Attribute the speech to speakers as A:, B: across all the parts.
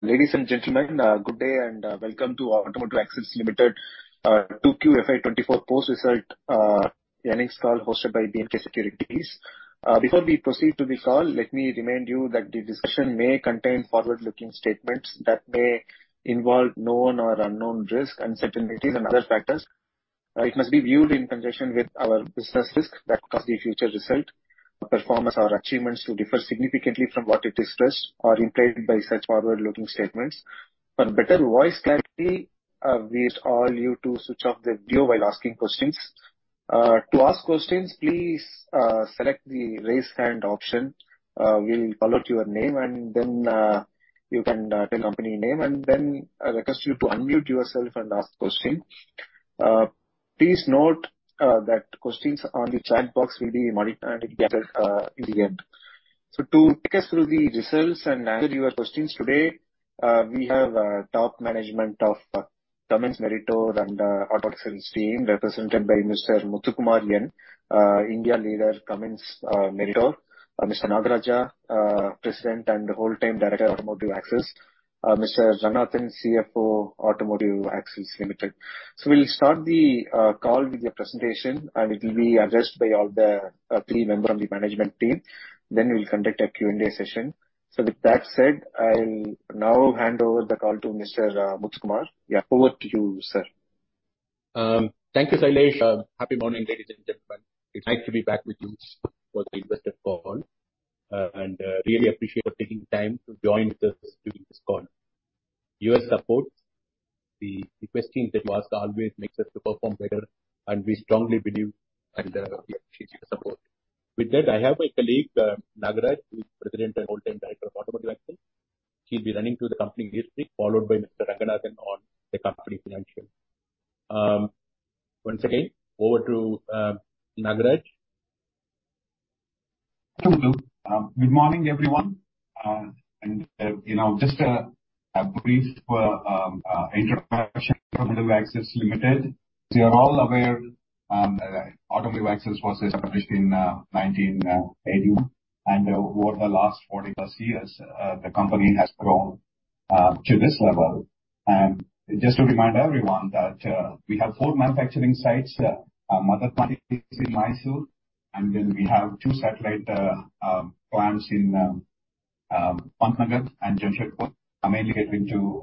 A: Ladies and gentlemen, good day, and, welcome to Automotive Axles Limited, 2Q FY 2024 Post-Result, Earnings Call, hosted by B&K Securities. Before we proceed to the call, let me remind you that the discussion may contain forward-looking statements that may involve known or unknown risks and uncertainties and other factors. It must be viewed in conjunction with our business risk that cause the future result, performance or achievements to differ significantly from what it expressed or implied by such forward-looking statements. For better voice clarity, we urge all you to switch off the video while asking questions. To ask questions, please, select the Raise Hand option. We will call out your name, and then, you can, tell company name, and then, I request you to unmute yourself and ask the question. Please note that questions on the chat box will be answered in the end. So to take us through the results and answer your questions today, we have top management of Cummins Meritor and Automotive Axles team, represented by Mr. Muthukumar N, India leader, Cummins Meritor, Mr. Nagaraj, President and Whole Time Director, Automotive Axles, Mr. Ranganathan, CFO, Automotive Axles Limited. So we'll start the call with a presentation, and it'll be addressed by all the three member of the management team. Then we'll conduct a Q&A session. So with that said, I'll now hand over the call to Mr. Muthukumar. Yeah, over to you, sir.
B: Thank you, Sailesh. Happy morning, ladies and gentlemen. It's nice to be back with you for the investor call, and really appreciate you taking time to join us during this call. Your support, the requests that you ask always makes us to perform better, and we strongly believe and we appreciate your support. With that, I have my colleague, Nagaraj, who is President and Whole Time Director of Automotive Axles. He'll be running through the company history, followed by Mr. Ranganathan on the company financial. Once again, over to Nagaraj. Hello. Good morning, everyone. And you know, just a brief introduction to Automotive Axles Limited. You are all aware that Automotive Axles was established in 1981, and over the last 40+ years, the company has grown to this level. Just to remind everyone that we have four manufacturing sites, our mother plant is in Mysore, and then we have two satellite plants in Pantnagar and Jamshedpur, mainly catering to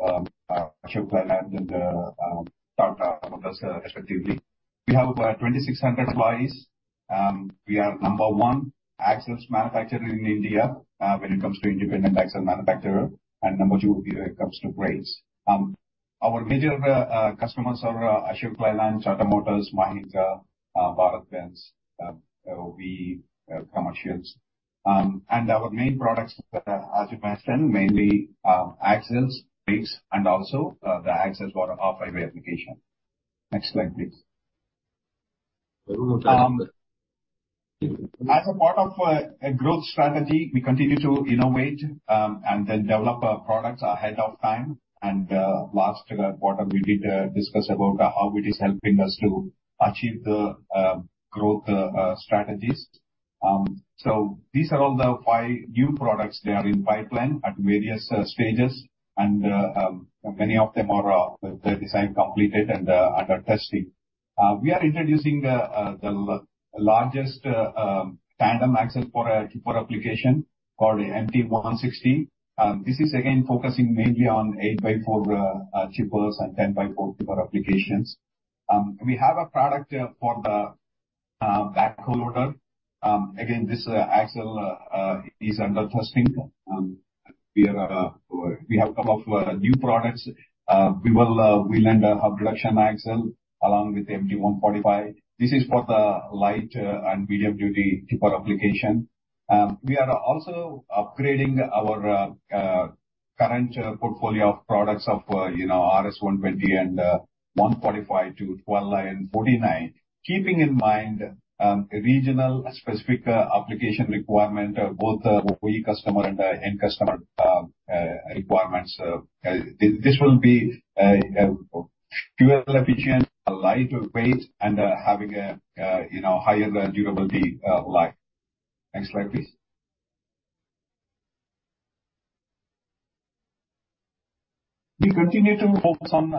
B: Ashok Leyland and Tata Motors, respectively. We have 2,600 employees. We are number one axles manufacturer in India when it comes to independent axle manufacturer and number two when it comes to brakes. Our major customers are Ashok Leyland, Tata Motors, Mahindra, BharatBenz, VECV. Our main products, as you mentioned, mainly, axles, brakes, and also, the axles for off-highway application. Next slide, please. Over to you. As a part of a growth strategy, we continue to innovate and then develop our products ahead of time. Last quarter, we did discuss about how it is helping us to achieve the growth strategies. These are all the five new products that are in pipeline at various stages and many of them are the design completed and under testing. We are introducing the largest tandem axle for a tipper application called the MT160. This is again focusing mainly on 8x4 tippers and 10x4 tipper applications. We have a product for the TLB. Again, this axle is under testing. We are, we have a couple of new products. We will land a production axle along with MT145. This is for the light and medium duty tipper application. We are also upgrading our current portfolio of products of you know RS120 and 145 to 12.49, keeping in mind regional specific application requirement of both OE customer and the end customer requirements. This will be a fuel efficient, a lighter weight, and having a you know higher durability life. Next slide, please. We continue to focus on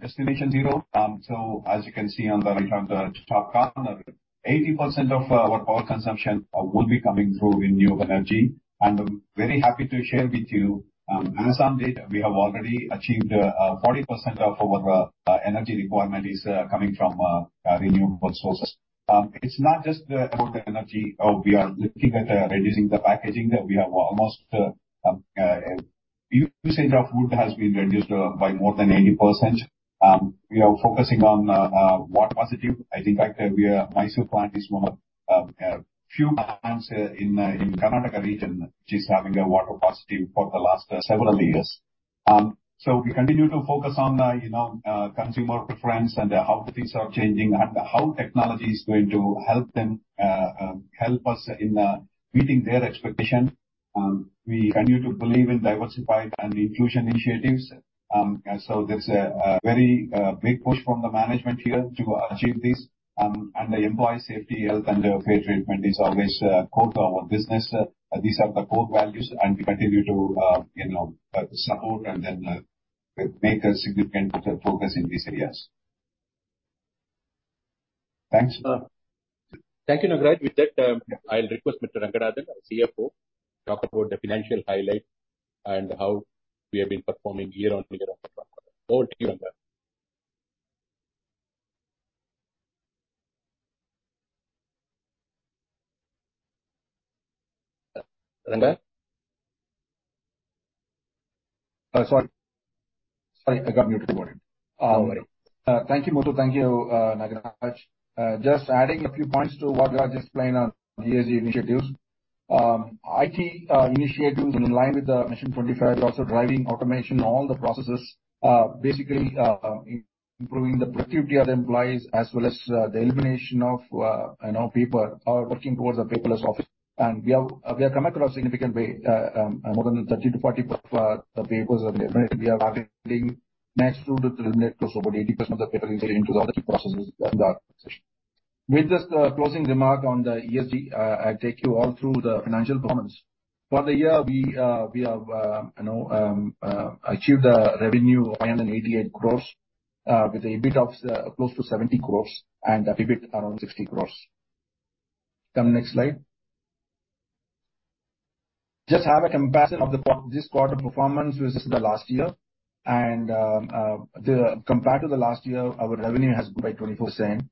B: Destination Zero. So as you can see on the top corner, 80% of our power consumption will be coming through renewable energy. I'm very happy to share with you, as on date, we have already achieved 40% of our energy requirement is coming from renewable sources. It's not just about the energy, we are looking at reducing the packaging, that we have almost usage of wood has been reduced by more than 80%. We are focusing on water positive. As in fact, we are, Mysore plant is one of few plants in in Karnataka region, which is having a water positive for the last several years. So we continue to focus on, you know, consumer preference and, how the things are changing, and how technology is going to help them, help us in, meeting their expectation. We continue to believe in diversity and inclusion initiatives. So there's a very big push from the management here to achieve this. And the employee safety, health, and fair treatment is always core to our business. These are the core values, and we continue to, you know, support and then make a significant focus in these areas.
C: Thanks, thank you, Nagaraj. With that, I'll request Mr. Ranganathan, our CFO, talk about the financial highlight and how we have been performing year on year on the platform. Over to you, Ranga. Ranga? Sorry. Sorry, I got muted. Go ahead.
D: Thank you, Muthu. Thank you, Nagaraj. Just adding a few points to what Nagaraj explained on ESG initiatives. IT initiatives in line with the Mission 25, also driving automation, all the processes, basically, improving the productivity of the employees as well as, the elimination of, you know, paper are working towards a paperless office. And we have, we have come across significant way, more than 30%-40%, of papers have been, we are working next to eliminate close to about 80% of the paper into the other processes in the organization. With this, closing remark on the ESG, I'll take you all through the financial performance. For the year, we, we have, you know, achieved a revenue of 188 crores, with a EBIT of close to 70 crores and the PBIT around 60 crores. Come next slide. Just have a comparison of the per- this quarter performance versus the last year, and, the compared to the last year, our revenue has grown by 24%,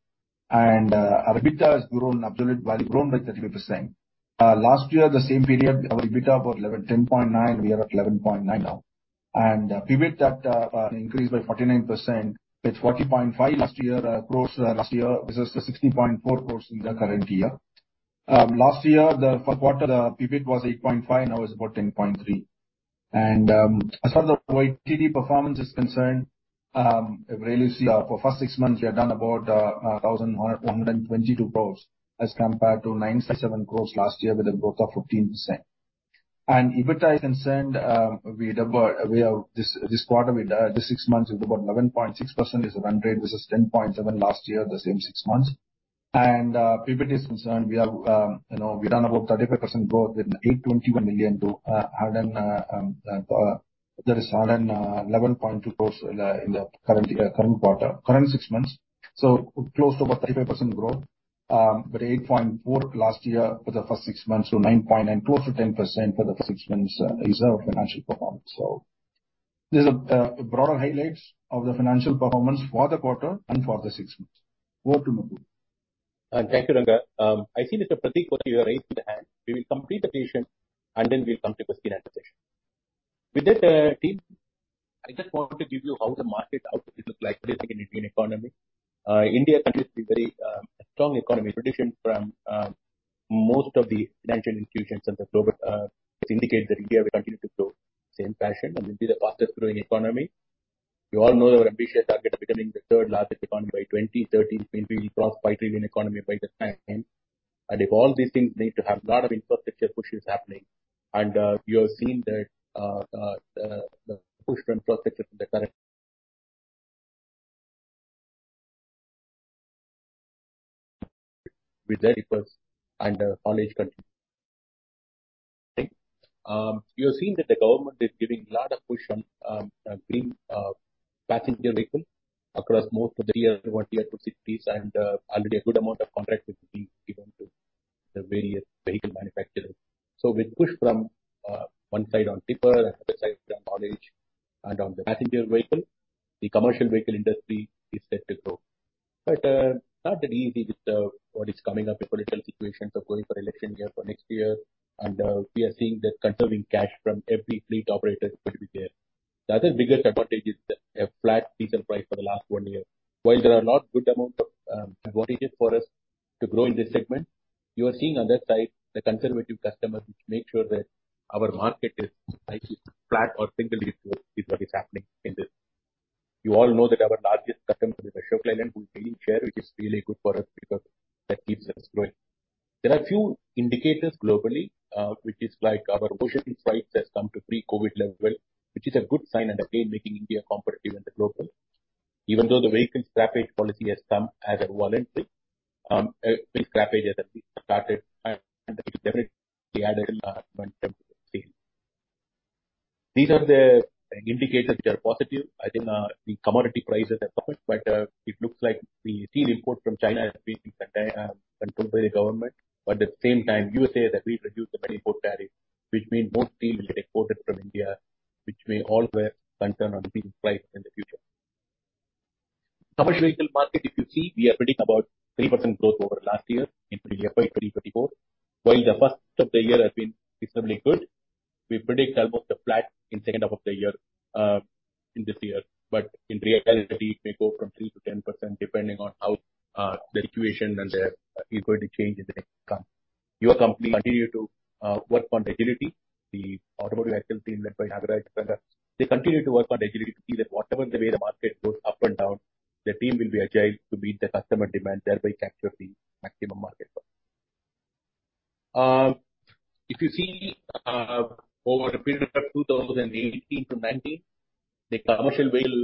D: and, our EBITDA has grown absolutely, but grown by 33%. Last year, the same period, our EBITDA was 10.9, we are at 11.9 now. And, PBIT increased by 49%. It's 40.5 last year, crores, last year, versus the 60.4 crores in the current year. Last year, the fourth quarter, the PBIT was 8.5, now it's about 10.3. As far as the YTD performance is concerned, if you really see, for first six months, we have done about 1,122 crores as compared to 97 crores last year with a growth of 15%. And EBITDA is concerned, this six months is about 11.6% is the run rate versus 10.7% last year, the same six months. And PBIT is concerned, we have, you know, we've done about 35% growth in 821 million to hundred and that is hundred and 111.2 crores in the current year, current quarter, current six months. So close to about 35% growth, but 8.4 last year for the first six months, so 9.9, close to 10% for the six months, is our financial performance. So these are broader highlights of the financial performance for the quarter and for the six months. Over to Muthu.
C: Thank you, Ranga. I see Mr. Pratik, you have raised your hand. We will complete the session, and then we'll come to question and answer session. With that, team, I just want to give you how the market outlook looks like in Indian economy. India continues to be very a strong economy. Prediction from most of the financial institutions and the global indicate that India will continue to grow same fashion and will be the fastest growing economy. You all know our ambitious target of becoming the third largest economy by 2030, meaning we will cross $5-trillion economy by that time. And if all these things need to have a lot of infrastructure, push is happening. And you have seen that the push from infrastructure in the current... With that it was underdeveloped country. You have seen that the government is giving a lot of push on green passenger vehicle across most of the Tier 1, Tier 2 cities, and already a good amount of contract has been given to the various vehicle manufacturers. So with push from one side on tipper and other side on tonnage and on the passenger vehicle, the commercial vehicle industry is set to grow. But not that easy with what is coming up, the political situations of going for election year for next year, and we are seeing that conserving cash from every fleet operator is going to be there. The other biggest advantage is that a flat diesel price for the last one year. While there are a lot good amount of advantage for us to grow in this segment, you are seeing on that side the conservative customers, which make sure that our market is slightly flat or slightly is what is happening in this. You all know that our largest customer is Ashok Leyland, who is gaining share, which is really good for us because that keeps us growing. There are few indicators globally, which is like our ocean freight has come to pre-COVID level, which is a good sign and again, making India competitive in the global. Even though the vehicle scrappage policy has come as a voluntary, scrappage as has been started and These are the indicators which are positive. I think, the commodity prices have come up, but it looks like we see the import from China has been controlled by the government. But at the same time, USA has agreed to reduce the import tariff, which means more steel will be exported from India, which may all bear concern on being priced in the future. Commercial vehicle market, if you see, we are predicting about 3% growth over last year in fiscal year 2024. While the first half of the year has been reasonably good, we predict almost a flat in second half of the year, in this year. But in reality, it may go from 3%-10%, depending on how the situation and the equity change in the next come. Your company continue to work on agility. The automobile vehicle team led by Nagaraj, they continue to work on agility to see that whatever the way the market goes up and down, the team will be agile to meet the customer demand, thereby capture the maximum market. If you see, over a period of 2018-2019, the commercial vehicle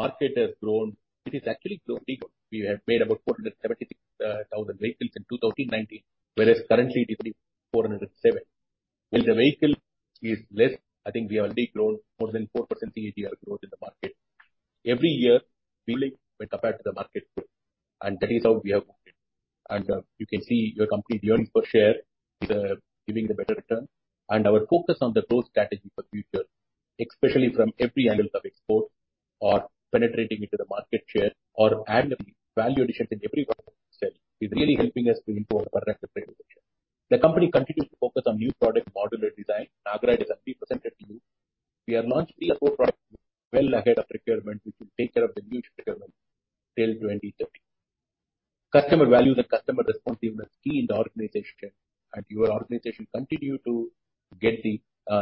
C: market has grown. It is actually growing pretty good. We have made about 476,000 vehicles in 2019, whereas currently it is 407. When the vehicle is less, I think we have only grown more than 4% CAGR growth in the market. Every year, we link when compared to the market growth, and that is how we have grown. You can see your company earnings per share is giving the better return. Our focus on the growth strategy for future, especially from every angle of export or penetrating into the market share or annually, value addition in every product we sell, is really helping us to improve our per axle revenue. The company continues to focus on new product modular design. Nagaraj has already presented to you. We are launching 3 or 4 products well ahead of procurement, which will take care of the huge procurement till 2030. Customer values and customer responsiveness, key in the organization, and your organization continue to get the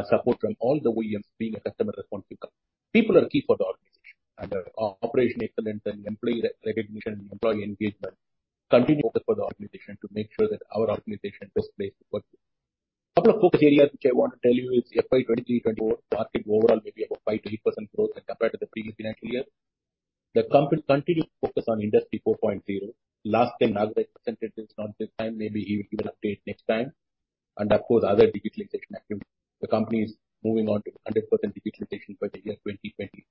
C: support from all the OEMs being a customer responsive company. People are key for the organization, and operation excellence and employee re-recognition, employee engagement continue focus for the organization to make sure that our organization is best place to work. Couple of focus areas which I want to tell you is FY 2023-2024, market overall may be about 5%-8% growth when compared to the previous financial year. The company continues to focus on Industry 4.0. Last time, Nagaraj presented this, not this time. Maybe he will update next time. And of course, other digitalization activities. The company is moving on to 100% digitalization by the year 2020.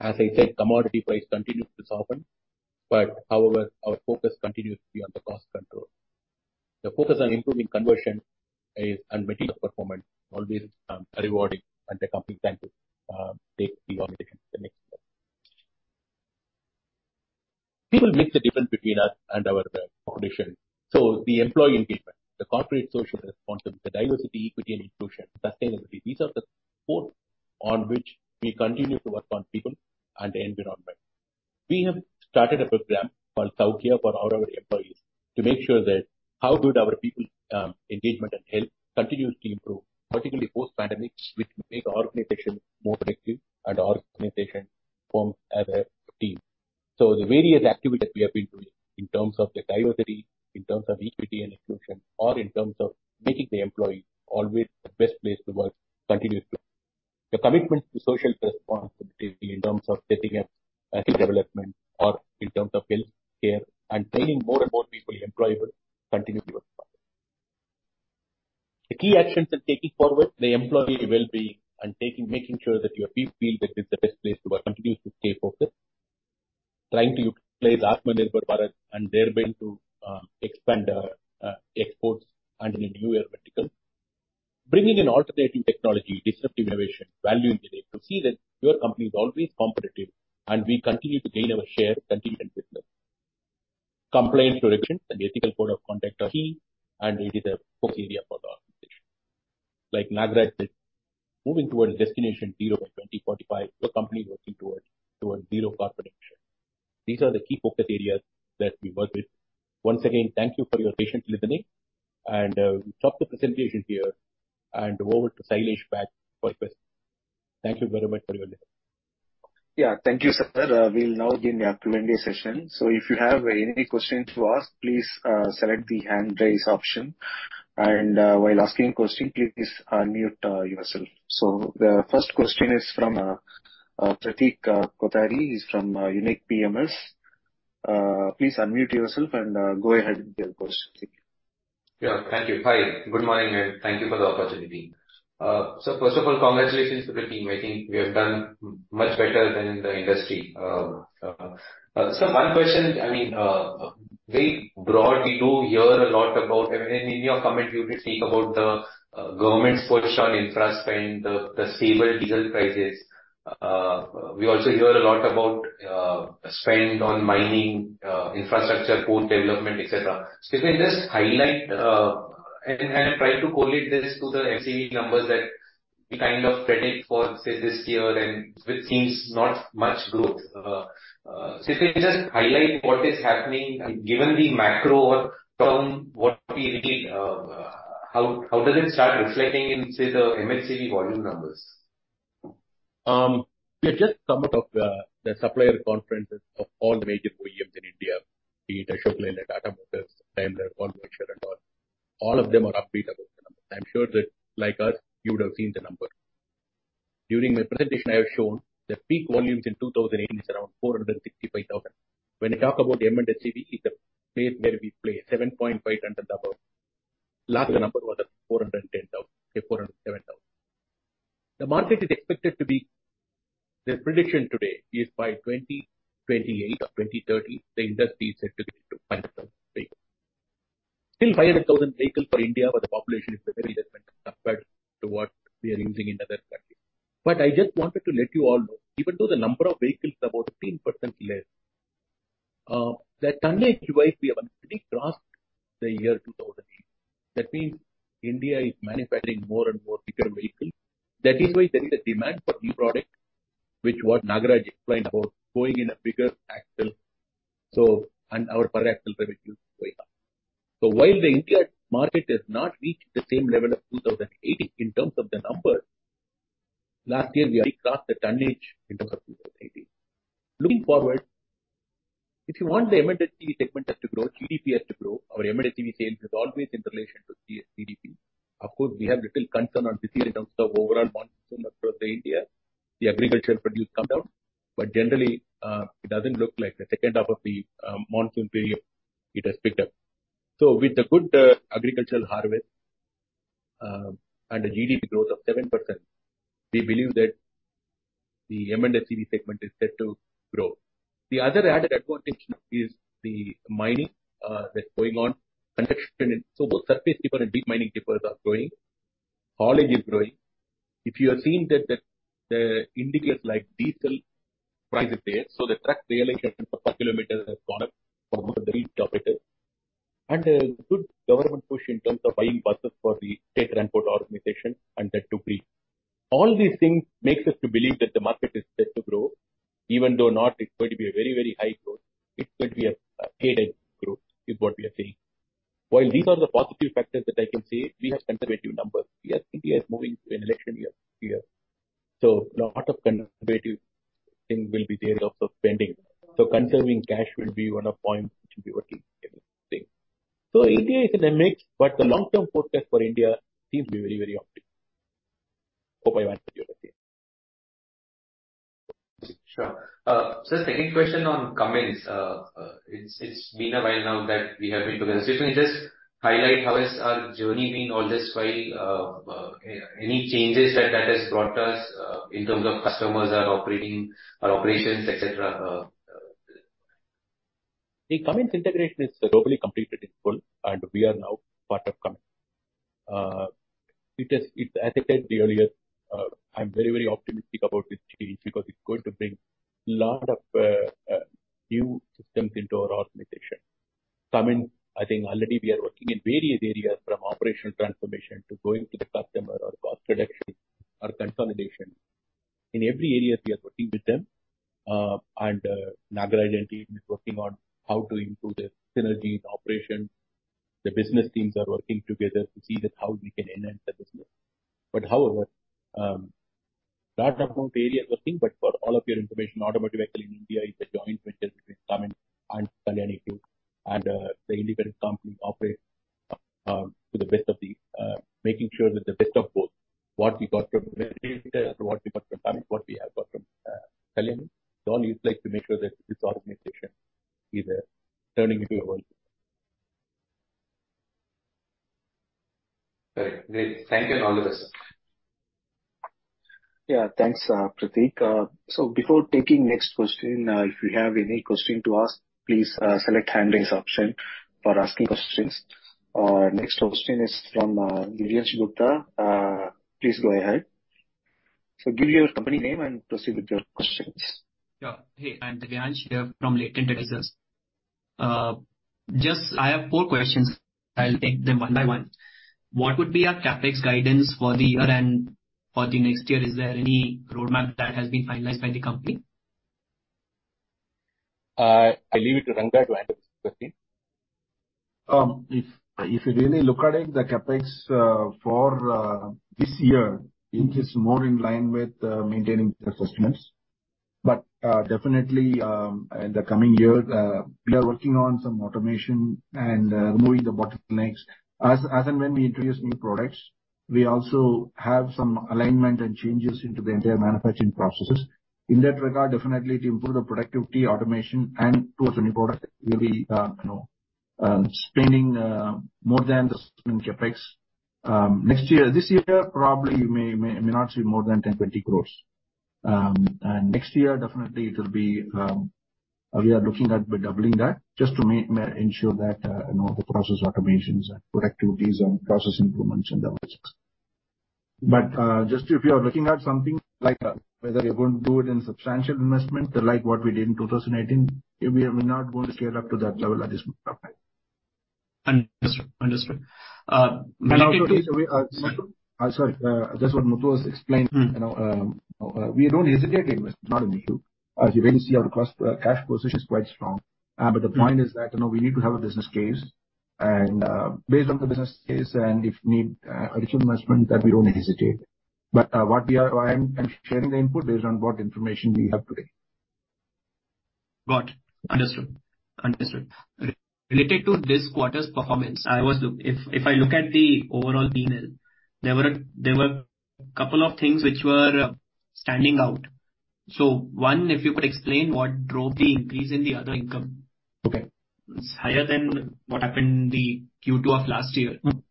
C: As I said, commodity price continues to soften, but however, our focus continues to be on the cost control. The focus on improving conversion is, and material performance always, rewarding, and the company plan to take the organization to the next level. People make the difference between us and our competition. So the employee engagement, the corporate social responsibility, the diversity, equity, and inclusion, sustainability, these are the four on which we continue to work on people and the environment. We have started a program called Saukhya for all our employees, to make sure that how good our people,
E: So first of all, congratulations to the team. I think we have done much better than the industry. So one question, I mean, very broad. We do hear a lot about, and in your comment, you did speak about the government's push on infra spend, the stable diesel prices. We also hear a lot about spend on mining, infrastructure, port development, et cetera. So can you just highlight, and try to correlate this to the M&HCV numbers that we kind of predict for, say, this year, then, which seems not much growth. So, can you just highlight what is happening, and given the macro environment what we read, how does it start reflecting in, say, the M&HCV volume numbers?
C: We just came out of the supplier conferences of all the major OEMs in India, be it Ashok Leyland, Tata Motors, Mahindra, Volvo, Eicher, and all. All of them are upbeat about the numbers. I'm sure that, like us, you would have seen the number. During my presentation, I have shown the peak volumes in 2080 is around 465,000. When I talk about M&HCV, it's a place where we play 750,000. Last year number was 410,000, 407,000. The market is expected to be... The prediction today is by 2028 or 2030, the industry is expected to reach 500,000 vehicle. Still 500,000 vehicle for India, but the population is very different compared to what we are using in other countries. But I just wanted to let you all know, even though the number of vehicles is about 15% less, the tonnage-wise, we have already crossed the year 2008. That means India is manufacturing more and more bigger vehicles. That is why there is a demand for new product, which what Nagaraj explained about going in a bigger axle, so, and our per axle revenue is going up. So while the India market has not reached the same level of 2018 in terms of the number, last year, we already crossed the tonnage in terms of 2018. Looking forward, if you want the M&HCV segment has to grow, GDP has to grow. Our M&HCV sales is always in relation to GDP. Of course, we have little concern on this year in terms of overall monsoon across India, the agricultural produce come down, but generally, it doesn't look like the second half of the monsoon period, it has picked up. So with the good agricultural harvest, and the GDP growth of 7%, we believe that the M&HCV segment is set to grow. The other added advantage is the mining that's going on, construction. So both surface deeper and deep mining diggers are growing. Haulage is growing. If you have seen that the indicators like diesel prices there, so the truck realization per kilometer has gone up from a very low pit. And a good government push in terms of buying buses for the state transport organization and [that too green]. All these things makes us to believe that the market is set to grow, even though not it's going to be a very, very high growth. It's going to be a, a graded growth, is what we are saying. While these are the positive factors that I can say, we have conservative numbers. We are, India is moving to an election year, year. So a lot of conservative things will be there of spending. So conserving cash will be one of point which we were thinking. So India is a mix, but the long-term forecast for India seems to be very, very optimal. Hope I answered your question.
E: Sure. So the second question on Cummins, it's been a while now that we have been together. Can you just highlight how has our journey been all this while, any changes that that has brought us, in terms of customers are operating, our operations, et cetera?
C: The Cummins integration is totally completed in full, and we are now part of Cummins. It is, as I said earlier, I'm very, very optimistic about this change because it's going to bring a lot of new systems into our organization. Cummins, I think already we are working in various areas from operational transformation to going to the customer or cost reduction or consolidation. In every area, we are working with them, and Nagaraja and team is working on how to improve the synergies, operations. The business teams are working together to see that how we can enhance the business. However, a lot of areas working, but for all of your information, Automotive Axles Limited in India is a joint venture between Cummins and Kalyani, and the independent companies operate to the best of the making sure that the best of both, what we got from Cummins, what we got from Cummins, what we have got from Kalyani. So we'd like to make sure that this organization is turning into a whole.
E: Great. Great. Thank you and all the best, sir.
A: Yeah, thanks, Pratik. So before taking next question, if you have any question to ask, please, select hand raise option for asking questions. Next question is from Divyansh Gupta. Please go ahead. So give your company name and proceed with your questions.
F: Yeah. Hey, I'm Divyansh here from Latent Advisors. Just I have four questions. I'll take them one by one. What would be our CapEx guidance for the year and for the next year? Is there any roadmap that has been finalized by the company?
C: I leave it to Ranga to answer this question.
D: If you really look at it, the CapEx for this year is more in line with maintaining the assessments. But definitely, in the coming year, we are working on some automation and removing the bottlenecks. As and when we introduce new products, we also have some alignment and changes into the entire manufacturing processes. In that regard, definitely to improve the productivity, automation, and towards a new product, we'll be, you know, spending more than the CapEx. Next year, this year, probably you may not see more than 10-20 crore. And next year, definitely it'll be, we are looking at doubling that just to make sure that, you know, the process automations and productivities and process improvements and other things. But, just if you are looking at something like whether you're going to do it in substantial investment, like what we did in 2018, we are not going to scale up to that level at this point in time.
F: Understood. Understood. And also-
D: Sorry, just what Muthu has explained.
F: Mm.
D: You know, we don't hesitate to invest, not an issue. If you really see our cost, cash position is quite strong. But the point is that, you know, we need to have a business case, and, based on the business case and if we need, additional investment, then we don't hesitate. But what we are... I'm sharing the input based on what information we have today.
F: Got it. Understood. Understood. Regarding this quarter's performance, I was looking, if, if I look at the overall P&L, there were a couple of things which were standing out. So one, if you could explain what drove the increase in the other income?
D: Okay.
F: It's higher than what happened in the Q2 of last year.
D: Mm.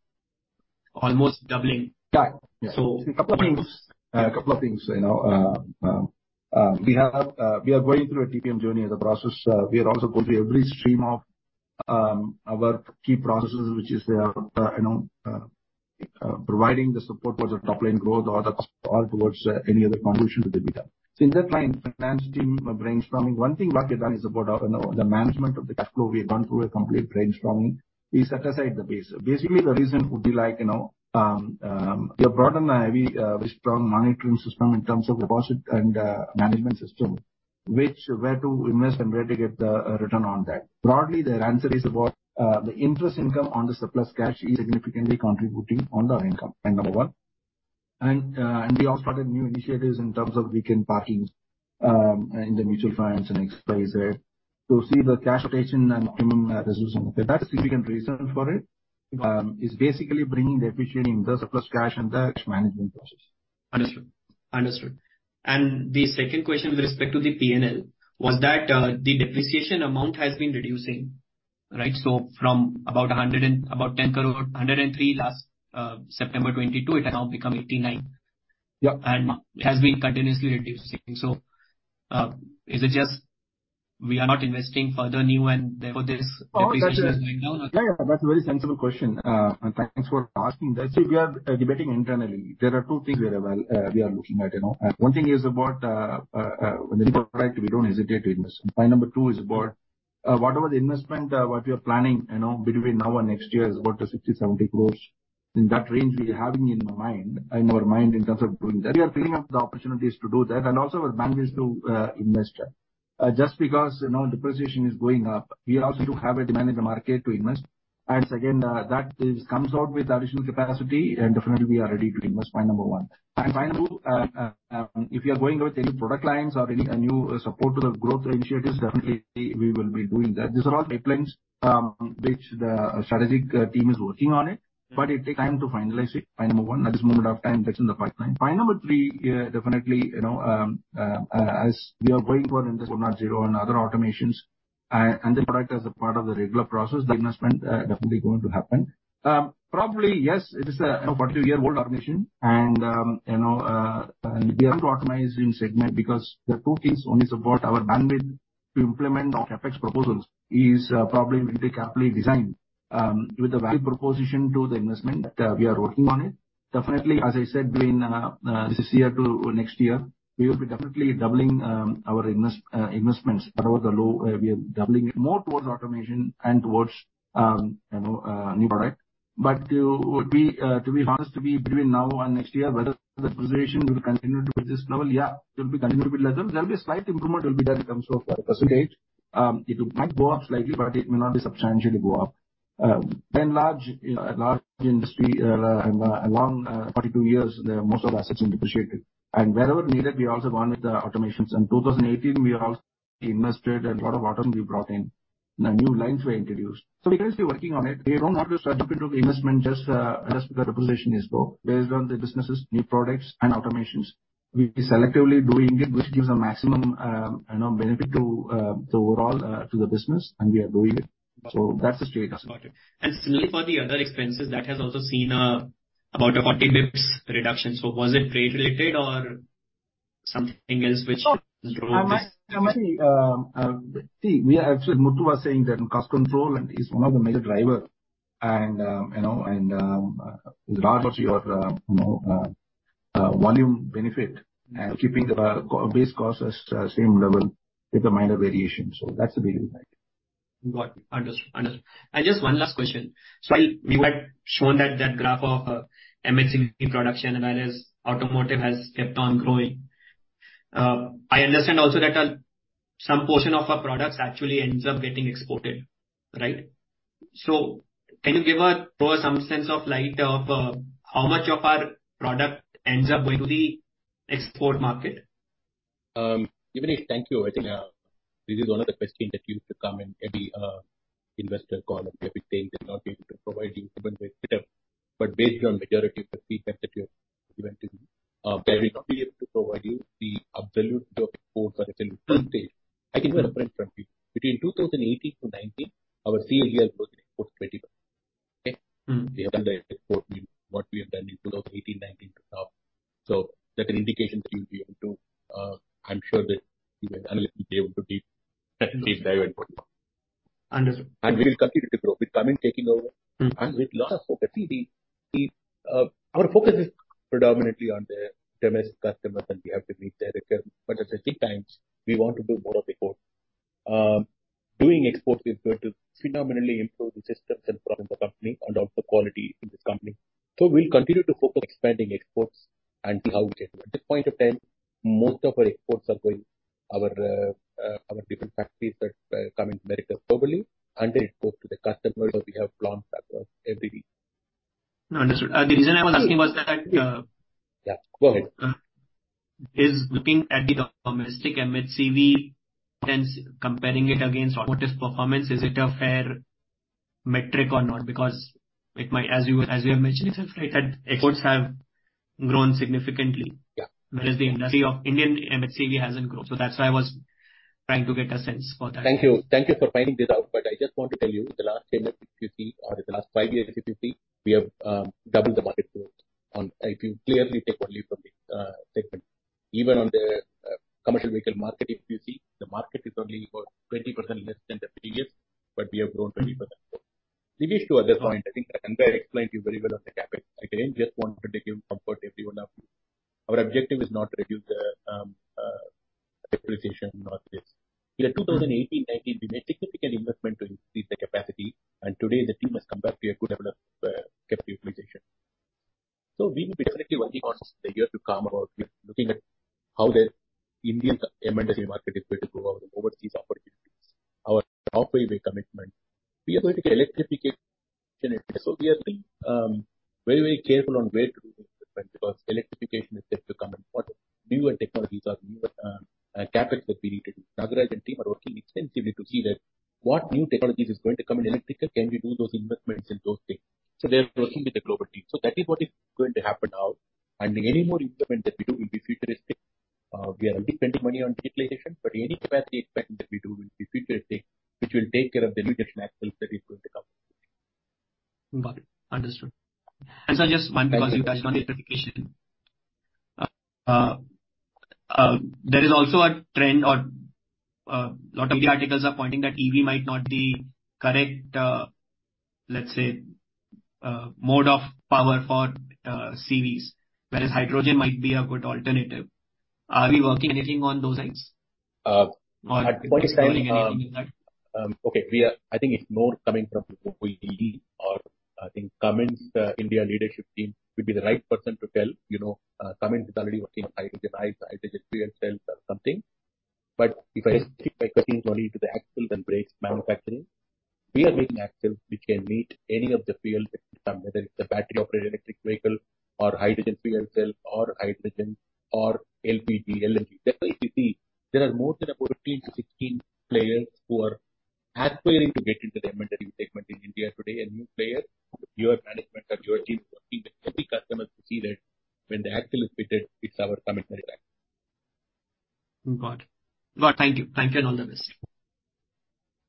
F: Almost doubling.
D: Right. Yeah.
F: So-
D: A couple of things. A couple of things, you know, we have, we are going through a TPM journey as a process. We are also going through every stream of, our key processes, which is, you know, providing the support towards the top-line growth or the, or towards, any other contribution to the bottom line. So in that line, finance team brainstorming, one thing what we have done is about, you know, the management of the cash flow. We have gone through a complete brainstorming. We set aside the base. Basically, the reason would be like, you know, we have brought in a very, very strong monitoring system in terms of deposit and, management system, which where to invest and where to get the, return on that. Broadly, the answer is about, the interest income on the surplus cash is significantly contributing on the income, and number one. And, and we also started new initiatives in terms of weekend parkings, in the mutual funds and express there. So see the cash position and reducing. That's a significant reason for it, is basically bringing the efficiency in the surplus cash and the management process.
F: Understood. Understood. And the second question with respect to the P&L was that the depreciation amount has been reducing, right? So from about 110 crore, 103 last September 2022, it has now become 89 crore.
D: Yep.
F: And it has been continuously reducing. So, is it just we are not investing further new and therefore there's-?
D: Oh, that's a-
F: -going down?
D: Yeah, yeah, that's a very sensible question. And thanks for asking that. So we are debating internally. There are two things we are, well, we are looking at, you know. One thing is about when we don't hesitate to invest. Point number two is about whatever the investment what we are planning, you know, between now and next year is about 60-70 crores. In that range we are having in mind, in our mind, in terms of doing that. We are freeing up the opportunities to do that and also our bandwidth to invest. Just because, you know, depreciation is going up, we also do have a demand in the market to invest. And again, that is comes out with additional capacity and definitely we are ready to invest, point number one. Point number two, if you are going with any product lines or any new support to the growth initiatives, definitely we will be doing that. These are all pipelines, which the strategic team is working on it, but it takes time to finalize it. Point number one, at this moment of time, that's in the pipeline. Point number three, definitely, you know, as we are going for Industry 4.0 and other automations, and the product as a part of the regular process, the investment, definitely going to happen. Probably, yes, it is a 40-year-old organization and, you know, we have to optimize in segment because the two things only support our bandwidth to implement our CapEx proposals is, probably will be carefully designed, with the value proposition to the investment that we are working on it. Definitely, as I said, between this year to next year, we will be definitely doubling our investments around the low. We are doubling it more towards automation and towards, you know, new product. But to be honest, to be between now and next year, whether the depreciation will continue to be at this level, yeah, it will continue to be less than. There will be a slight improvement will be there in terms of the percentage. It might go up slightly, but it may not be substantially go up. Then large, a large industry, and a long 42 years, the most of our assets are depreciated. And wherever needed, we also gone with the automations. In 2018, we also invested a lot of autom we brought in, and new lines were introduced. So we're continuously working on it. We don't have to stock up into the investment, just the depreciation is low. Based on the businesses, new products and automations, we selectively doing it, which gives a maximum, you know, benefit to the overall to the business, and we are doing it. So that's the story.
F: Got it. Similarly, for the other expenses, that has also seen about a 40 basis points reduction. Was it rate related or something else which drove this?
D: See, we are actually, Muthu was saying that cost control is one of the major driver and, you know, and, regardless of your, you know, volume benefit and keeping the cost base cost as same level with a minor variation. So that's the big impact.
F: Got it. Understood. Understood. Just one last question. You had shown that graph of MHCV production, and that is automotive, has kept on growing. I understand also that some portion of our products actually ends up getting exported, right? Can you give us some sense, like, of how much of our product ends up going to the export market?
C: Thank you. I think, this is one of the questions that used to come in every, investor call, and every time they're not able to provide you with the detail. But based on majority of the feedback that you've given to me, they will not be able to provide you if you clearly take only from the segment. Even on the commercial vehicle market, if you see, the market is only about 20% less than the previous, but we have grown 20%. Maybe two other points, I think Andrea explained to you very well on the capacity. Again, just want to give comfort to every one of you. Our objective is not to reduce the depreciation, not this. In 2018-2019, we made significant investment to increase the capacity, and today the team has come back to a good level of capacity utilization. So we will be definitely working on the year to come about, looking at how the Indian MHCV market is going to grow over the overseas opportunities, our software commitment. So we are being very, very careful on where to do the investment, because electrification is set to come in. What newer technologies or newer CapEx that we need to do. Nagaraj and team are working extensively to see that what new technologies is going to come in electrical, can we do those investments in those things? So they're working with the global team. So that is what is going to happen now, and any more investment that we do will be futuristic. We are already spending money on digitalization, but any further investment that we do will be futuristic, which will take care of the mitigation actions that is going to come.
F: Got it. Understood. And so just one, because you touched on the electrification. There is also a trend or lot of the articles are pointing that EV might not be correct, let's say, mode of power for CVs, whereas hydrogen might be a good alternative. Are we working anything on those ends?
C: At this time,
F: Or calling anything on that?
C: Okay, I think it's more coming from an OE or I think Cummins India leadership team would be the right person to tell. You know, Cummins is already working on hydrogen, hydrogen fuel cells or something. But if I restrict my questions only to the axle and brakes manufacturing, we are making axles which can meet any of the fuels that come, whether it's a battery operated electric vehicle, or hydrogen fuel cell, or hydrogen, or LPG, LNG. There, if you see, there are more than 14-16 players who are aspiring to get into the MHD segment in India today, a new player, your management or your team is working with every customer to see that when the axle is fitted, it's our commitment there.
F: Got it. Got it. Thank you. Thank you, and all the best.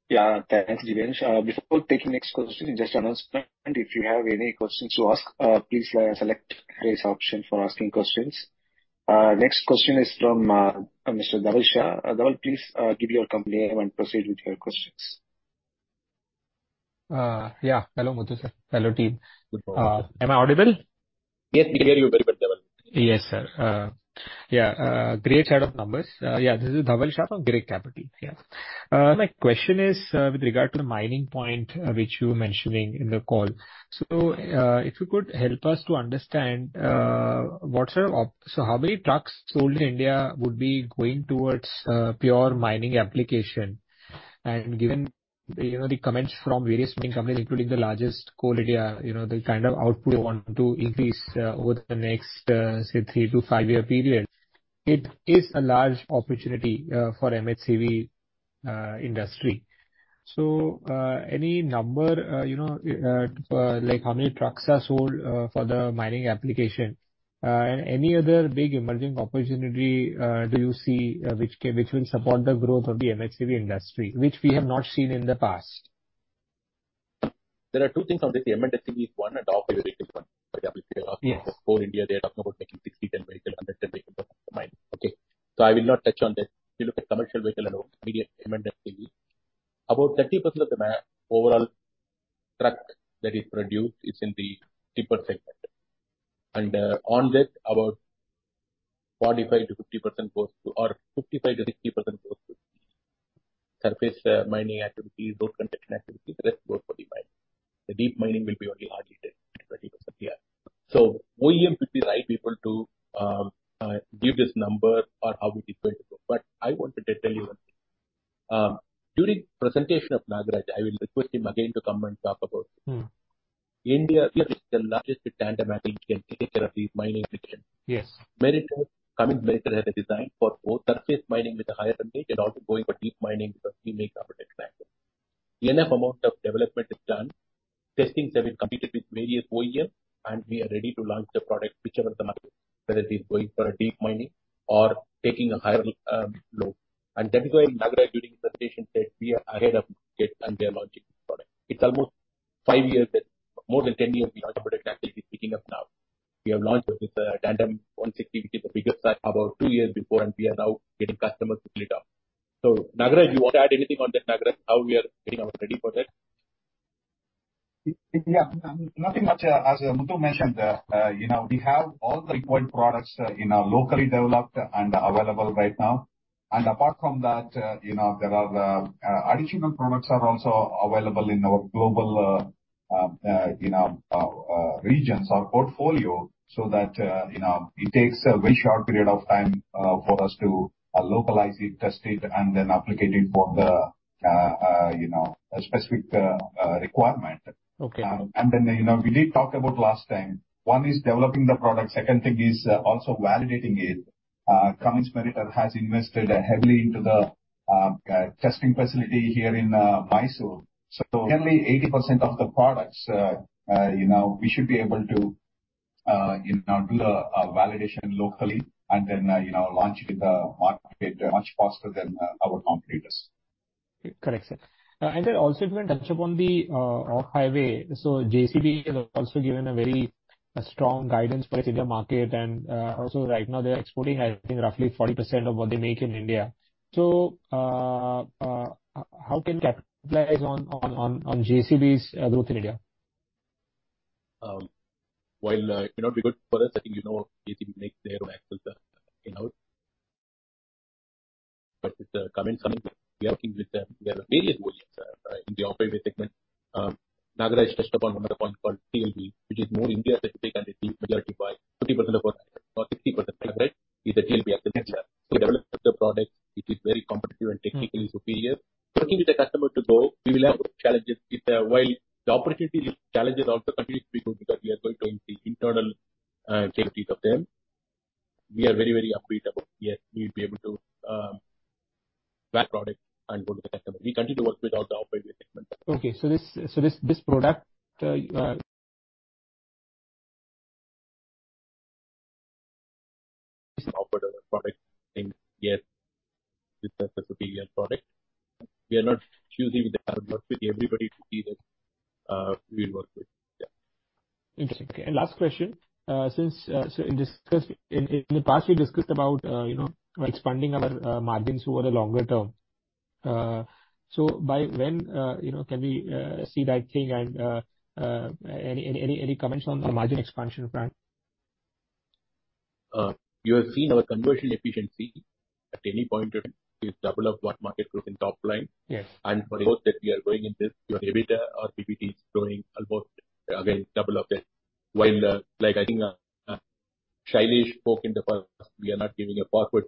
A: Yeah. Thanks, Divyansh. Before taking next question, just announcement. If you have any questions to ask, please, select raise option for asking questions. Next question is from Mr. Dhaval Shah. Dhaval, please, give your company name and proceed with your questions.
G: Yeah. Hello, Muthu sir. Hello, team.
C: Good morning.
G: Am I audible?
C: Yes, we hear you very good, Dhaval.
G: Yes, sir. Great set of numbers. This is Dhaval Shah from Girik Capital. My question is, with regard to the mining point, which you were mentioning in the call. So, if you could help us to understand, so how many trucks sold in India would be going towards, pure mining application? And given, you know, the comments from various mining companies, including the largest coal India, you know, the kind of output they want to increase, over the next, say, three to five-year period, it is a large opportunity, for MHCV, industry. So, any number, you know, like how many trucks are sold, for the mining application? Any other big emerging opportunity, do you see, which can, which will support the growth of the MHCV industry, which we have not seen in the past?
C: There are two things on this, the M&HCV is one, and off-highway is one, for your question.
G: Yes.
C: For India, they are talking about making 60-ton vehicle, 110-ton vehicle for mine. Okay? So I will not touch on this. If you look at commercial vehicle alone, immediate M&HCV, about 30% of the overall truck that is produced is in the tipper segment. And on that, about 45%-50% goes to, or 55%-60% goes to surface mining activity, road construction activity, the rest go for the mine. The deep mining will be only hardly 10%-20%. Yeah. So OEM would be the right people to give this number or how it is going to go. But I wanted to tell you one thing. During presentation of Nagaraj, I will request him again to come and talk about it.
G: Mm.
C: India is the largest Tandem Axle can take care of the mining region.
G: Yes.
C: Meritor, Cummins Meritor, has a design for both surface mining with a higher tonnage and also going for deep mining, because we make our tractor. Enough amount of development is done, testing has been completed with various OEM, and we are ready to launch the product, whichever the market, whether it is going for a deep mining or taking a higher load. And that is why Nagaraj, during presentation, said we are ahead of market, and we are launching this product. It's almost five years that, more than 10 years, we launched, but it's actually picking up now. We have launched with a tandem 160, which is the biggest size, about two years before, and we are now getting customers to pick it up. So, Nagaraj, you want to add anything on that, Nagaraj, how we are getting our ready for that?
B: Yeah, nothing much. As Muthu mentioned, you know, we have all the required products in our locally developed and available right now. And apart from that, you know, there are the additional products are also available in our global regions, our portfolio, so that you know, it takes a very short period of time for us to localize it, test it, and then apply it for the specific requirement.
G: Okay.
B: And then, you know, we did talk about last time. One is developing the product, second thing is also validating it. Cummins Meritor has invested heavily into the testing facility here in Mysore. So generally, 80% of the products, you know, we should be able to do the validation locally and then, you know, launch it in the market much faster than our competitors.
G: Correct, sir. And then also if you can touch upon the off-highway. So JCB has also given a very strong guidance for the India market, and also right now they are exporting, I think, roughly 40% of what they make in India. So how can you capitalize on JCB's growth in India?
C: While, it may not be good for us, I think, you know, JCB make their own axles, you know. But with the Cummins coming, we are working with them. We have various volumes in the off-highway segment. Nagaraj touched upon one of the points called TLB, which is more India specific, and it is utilized by 50% or 60%, right? Is the TLB application. So we developed the product. It is very competitive and technically superior. Working with the customer to go, we will have challenges with the... While the opportunity, these challenges also continue to be good because we are going to increase internal cadence of them. We are very, very upbeat about, yes, we'll be able to that product and go to the customer. We continue to work in the off-highway segment.
G: Okay, so this product.
C: Offered as a product in here with the superior product. We are not choosing to work with everybody to see that, we work with. Yeah.
G: Interesting. Okay, and last question. Since, so in discussions in the past you discussed about, you know, expanding our margins over the longer term. So by when, you know, can we see that thing and any comments on the margin expansion plan?
C: You have seen our conversion efficiency at any point in time is double of what market growth in top line.
G: Yes.
C: And for both that we are growing in this, your EBITDA or PBT is growing almost, again, double of it. While, like I think, Sailesh spoke in the past, we are not giving a forward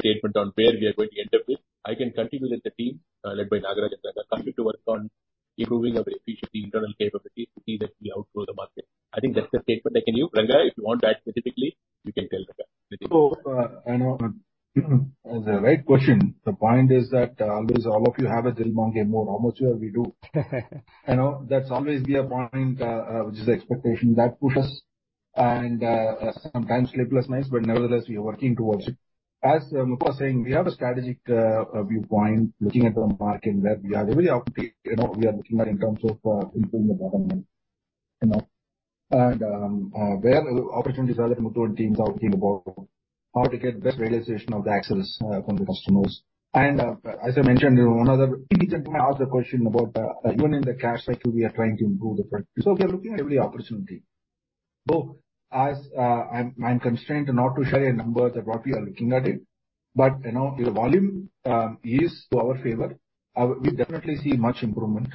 C: statement on where we are going to end up with. I can continue with the team, led by Nagaraj. Continue to work on improving our efficiency, internal capability, to see that we outgrow the market. I think that's the statement I can give. Ranga, if you want to add specifically, you can tell Ranga.
D: So, I know it's a right question. The point is that, always all of you have a little more, how much we do. You know, that's always be a point, which is the expectation that puts us and, sometimes sleepless nights, but nevertheless, we are working towards it. As Muthu was saying, we have a strategic, viewpoint, looking at the market, that we are very upbeat, you know, we are looking at in terms of, improving the bottom line, you know? And, where opportunities are, the Muthu team is working about how to get the best realization of the axles, from the customers. And, as I mentioned, in one of the, he asked the question about, even in the cash cycle, we are trying to improve the front. So we are looking at every opportunity. Both, as, I'm constrained not to share a number that what we are looking at it, but, you know, the volume is to our favor. We definitely see much improvement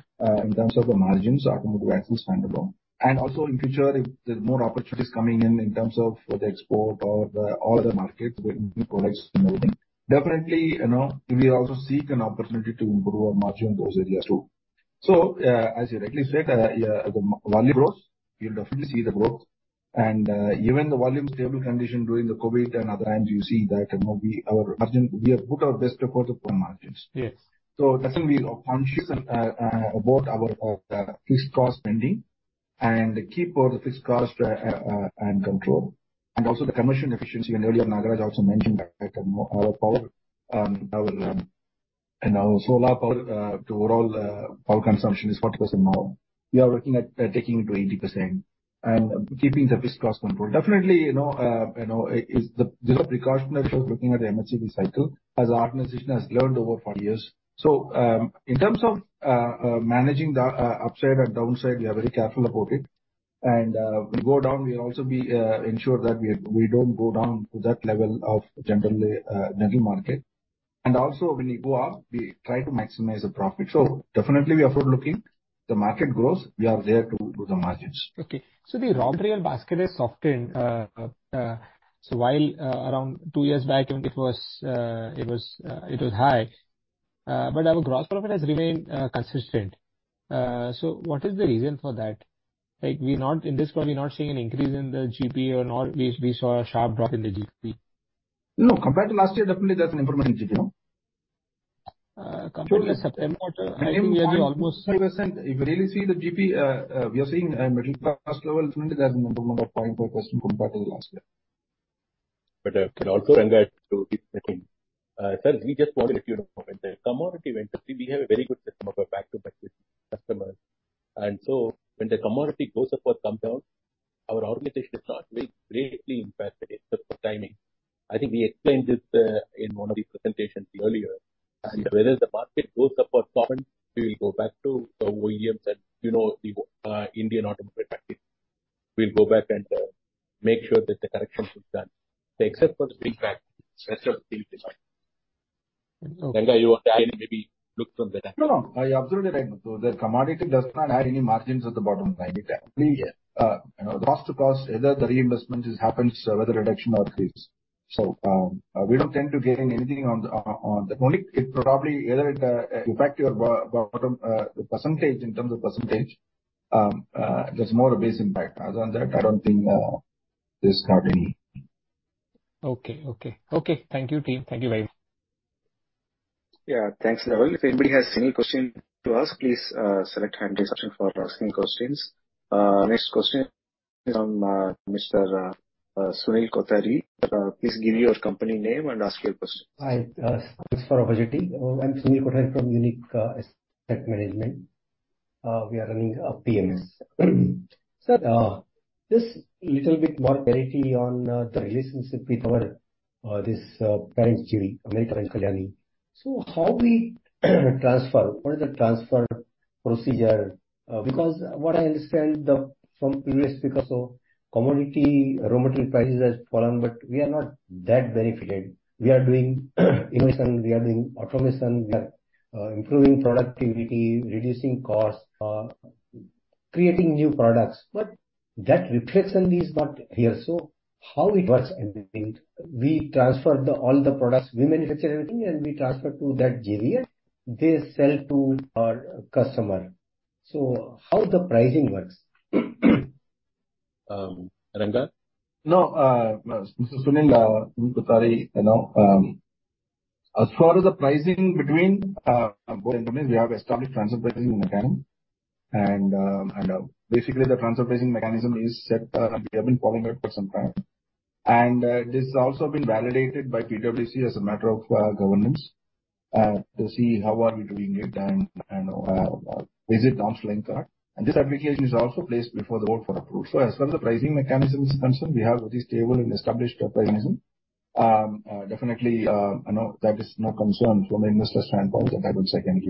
D: in terms of the margins on the axles standalone. And also in future, if there's more opportunities coming in, in terms of the export or the, all the markets, with new products moving. Definitely, you know, we also seek an opportunity to improve our margin in those areas, too. So, as you rightly said, yeah, the volume grows, you'll definitely see the growth. And even the volume stable condition during the COVID and other times, you see that, you know, we, our margin, we have put our best effort to grow margins.
G: Yes.
D: So I think we are conscious about our fixed cost spending, and keep all the fixed cost, and control, and also the commission efficiency. And earlier, Nagaraj also mentioned that our power and our solar power to overall power consumption is 40% now. We are looking at taking it to 80% and keeping the fixed cost control. Definitely, you know, you know, it's the, there's a precaution looking at the M&HCV cycle, as our organization has learned over four years. So, in terms of managing the upside and downside, we are very careful about it. And we go down, we also be ensure that we don't go down to that level of generally general market. And also, when we go up, we try to maximize the profit. Definitely we are forward-looking. The market grows. We are there to grow the margins.
G: Okay. So the raw material basket is softened, so while, around two years back, even it was high, but our gross profit has remained consistent. So what is the reason for that? Like, we're not... in this quarter, we're not seeing an increase in the GP or not, we saw a sharp drop in the GP.
D: No, compared to last year, definitely there's an improvement in GP. Compared to last September-
G: Almost 3%.
D: If you really see the GP, we are seeing middle class level, definitely there's an improvement of 0.5% compared to last year.
C: But, can also add to this meeting. Sir, we just wanted you to know, in the commodity industry, we have a very good system of a back-to-back with customers. And so when the commodity goes up or comes down, our organization is not very greatly impacted, except for timing. I think we explained this, in one of the presentations earlier.
G: Yes.
C: Whereas the market goes up or down, we will go back to the OEMs and, you know, the Indian automotive practice. We'll go back and make sure that the corrections is done. Except for the feedback, except for the feedback.
G: Okay.
C: Ranga, you are there, maybe look from there.
D: No, no, you are absolutely right. So the commodity does not add any margins at the bottom line. It only, you know, cost to cost, whether the reinvestment is happens, whether reduction or increase. So, we don't tend to gain anything on the. Only it probably, either it, impact your bottom, the percentage, in terms of percentage, there's more a base impact. Other than that, I don't think, there's not any.
G: Okay. Okay. Okay, thank you, team. Thank you very much.
A: Yeah. Thanks, Dhaval. If anybody has any question to ask, please, select hand option for asking questions. Next question from, Mr. Sunil Kothari. Please give your company name and ask your question.
H: Hi, thanks for the opportunity. I'm Sunil Kothari from Unique Asset Management. We are running a PMS. Sir, just little bit more clarity on the relationship with our this parent company, Kalyani. So how we transfer, what is the transfer procedure? Because what I understand from previous speakers, so commodity, raw material prices has fallen, but we are not that benefited. We are doing innovation, we are doing automation, we are improving productivity, reducing costs, creating new products, but that reflection is not here. So how it works and we transfer the all the products we manufacture everything, and we transfer to that [JV]. They sell to our customer. So how the pricing works?
C: Um, Ranga?
D: No, Mr. Sunil, sorry, you know, as far as the pricing between both companies, we have established transfer pricing mechanism. And, basically, the transfer pricing mechanism is set, we have been following it for some time. And, this has also been validated by PwC as a matter of governance, to see how are we doing it and is it on arm's length. And this application is also placed before the board for approval. So as far as the pricing mechanism is concerned, we have a stable and established pricing. Definitely, you know, that is no concern from investor standpoint, that I will second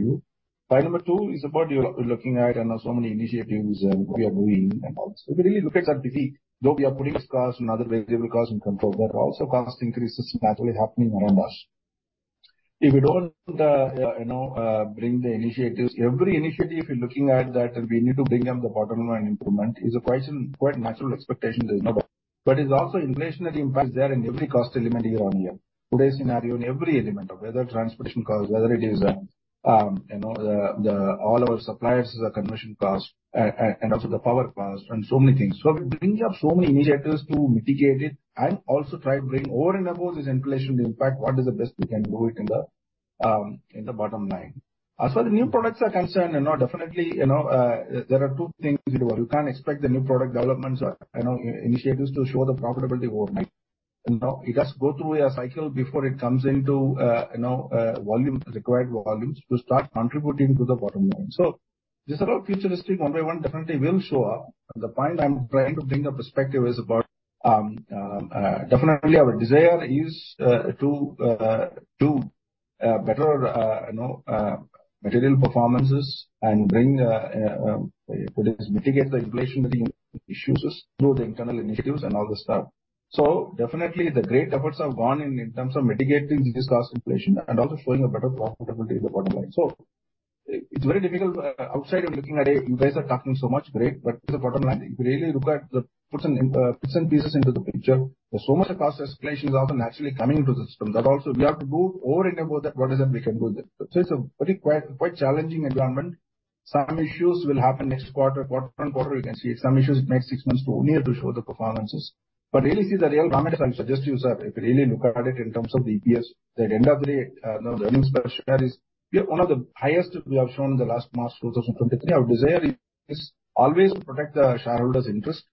D: you. Point number two is about you looking at, you know, so many initiatives, and we are moving, and if you really look at that detail, though, we are putting costs and other variable costs in control, but also cost increases naturally happening around us. If you don't, you know, bring the initiatives, every initiative you're looking at that we need to bring down the bottom line improvement is a quite, quite natural expectation, you know. But it's also inflationary impact is there in every cost element year-on-year. Today's scenario, in every element of whether transportation costs, whether it is, you know, all our suppliers, the conversion costs, and also the power costs and so many things. So we bring up so many initiatives to mitigate it and also try to bring over and above this inflation impact, what is the best we can do it in the, in the bottom line. As far as the new products are concerned, you know, definitely, you know, there are two things. Well, you can't expect the new product developments or, you know, initiatives to show the profitability overnight. You know, it does go through a cycle before it comes into, you know, volume, required volumes to start contributing to the bottom line. So these are all futuristic. One by one, definitely will show up. The point I'm trying to bring a perspective is about, definitely our desire is, to, do, better, you know, material performances and bring, mitigate the inflationary issues through the internal initiatives and all the stuff. So definitely, the great efforts have gone in, in terms of mitigating this cost inflation and also showing a better profitability in the bottom line. So it's very difficult, outside of looking at it, you guys are talking so much, great, but the bottom line, if you really look at the bits and pieces into the picture, there's so much cost escalation is also naturally coming into the system. That also we have to go over and above that, what is it we can do with it? So it's a very quite challenging environment. Some issues will happen next quarter, quarter on quarter, we can see it. Some issues, it makes six months to one year to show the performances. But really see the real comment, I'll suggest you, sir, if you really look at it in terms of the EPS, the end of the day, you know, the earnings per share is one of the highest we have shown in the last March 2023. Our desire is always to protect the shareholders' interest,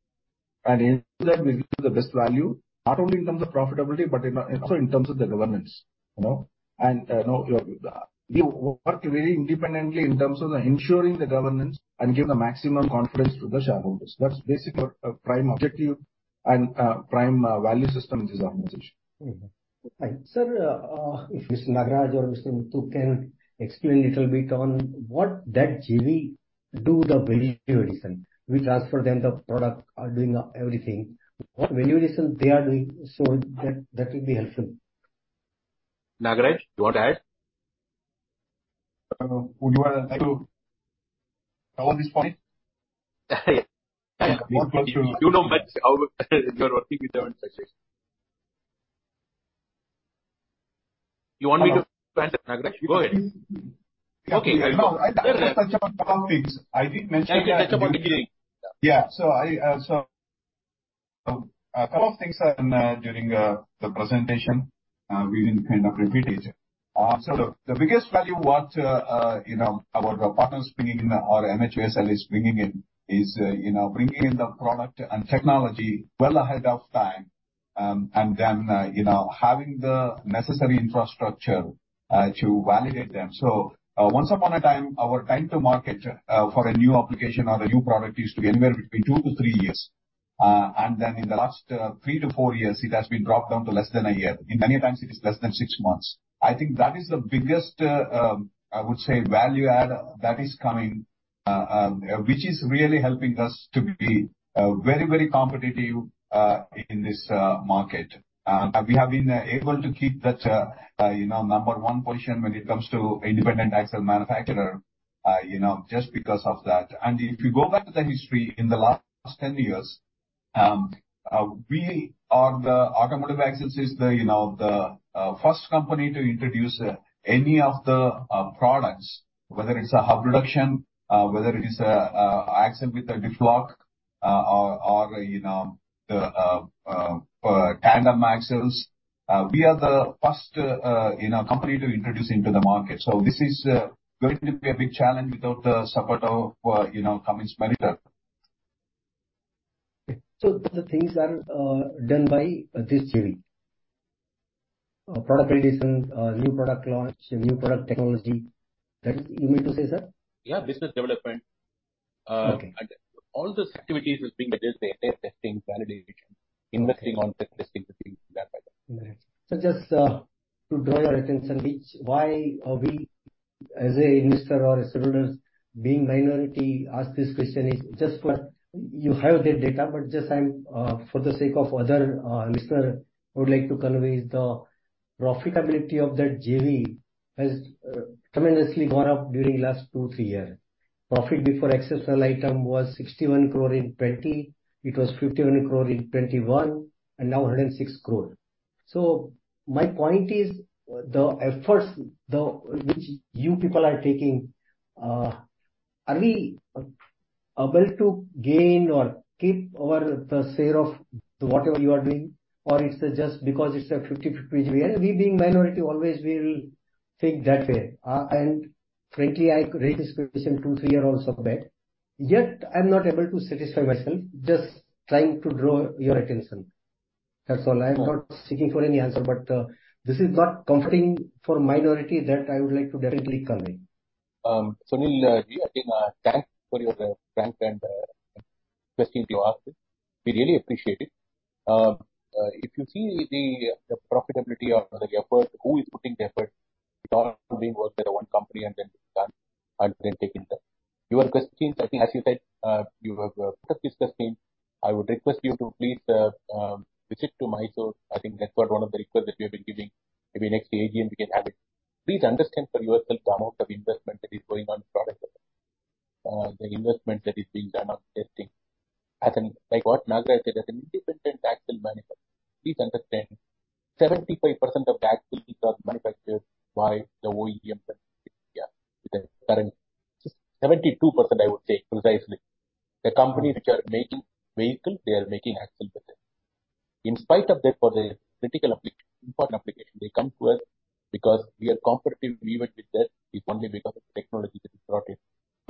D: and in that, we give the best value, not only in terms of profitability, but also in terms of the governance, you know. You know, we work very independently in terms of ensuring the governance and give the maximum confidence to the shareholders. That's basically our prime objective and prime value system in this organization.
H: Mm-hmm. Right. Sir, if Mr. Nagaraj or Mr. Muthu can explain a little bit on what that JV do the value addition, we transfer them the product, are doing everything. What value addition they are doing, so that, that will be helpful.
C: Nagaraj, you want to add?
D: Would you want to... on this point?
C: You know best, how you're working with them and such things. You want me to go ahead, Nagaraj? Go ahead.
B: Okay. I want to touch about some things I didn't mention-
C: Yeah, you touched at the beginning.
B: Yeah. So I, so a couple of things, during the presentation, we didn't kind of repeat it. So the, the biggest value what, you know, our partners bringing in or MHVSIL is bringing in is, you know, bringing in the product and technology well ahead of time, and then, you know, having the necessary infrastructure, to validate them. So, once upon a time, our time to market, for a new application or a new product used to be anywhere between two to three years. And then in the last, three to four years, it has been dropped down to less than a year. In many times, it is less than six months. I think that is the biggest, I would say, value add that is coming, which is really helping us to be, very, very competitive, in this, market. We have been able to keep that, you know, number one position when it comes to independent axle manufacturer, you know, just because of that. And if you go back to the history in the last 10 years, we are the Automotive Axles is the, you know, the, first company to introduce, any of the, products, whether it's a hub reduction, whether it is a, axle with a diff lock, or, or, you know, the, tandem axles, we are the first, you know, company to introduce into the market. This is going to be a big challenge without the support of, you know, Cummins Meritor.
H: The things are done by this JV. Product additions, new product launch, new product technology. That you mean to say, sir?
C: Yeah, business development.
H: Okay.
C: All those activities is being added, the testing, validation, investing on the testing that by them.
H: So just to draw your attention, which why are we as a investor or shareholders, being minority, ask this question is just for... You have the data, but just I'm for the sake of other investor, I would like to convey is the profitability of that JV has tremendously gone up during last two, three years. Profit before exceptional item was 61 crore in 2020, it was 51 crore in 2021, and now 106 crore. So my point is, the efforts, the, which you people are taking, are we able to gain or keep our, the share of whatever you are doing? Or it's just because it's a 50/50 JV, and we being minority, always we will think that way. And frankly, I raise this question two, three year also back, yet I'm not able to satisfy myself, just trying to draw your attention. That's all. I'm not seeking for any answer, but this is not comforting for minority, that I would like to directly convey.
C: Sunil Ji, again, thanks for your frank and questions you asked. We really appreciate it. If you see the profitability of the effort, who is putting the effort, it all being worked at one company, and then done and then taking the... Your question, I think, as you said, you have discussed this question, I would request you to please visit to Mysore. I think that's what one of the requests that you have been giving, maybe next AGM, we can have it. Please understand for yourself the amount of investment that is going on product development, the investment that is being done on testing. As in, like what Nagaraj said, as an independent axle manufacturer, please understand, 75% of the axles are manufactured by the OEM in India. With the current 72%, I would say precisely. The companies which are making vehicle, they are making axle with it. In spite of that, for the critical application, important application, they come to us because we are competitive even with that; it's only because of the technology that we brought in.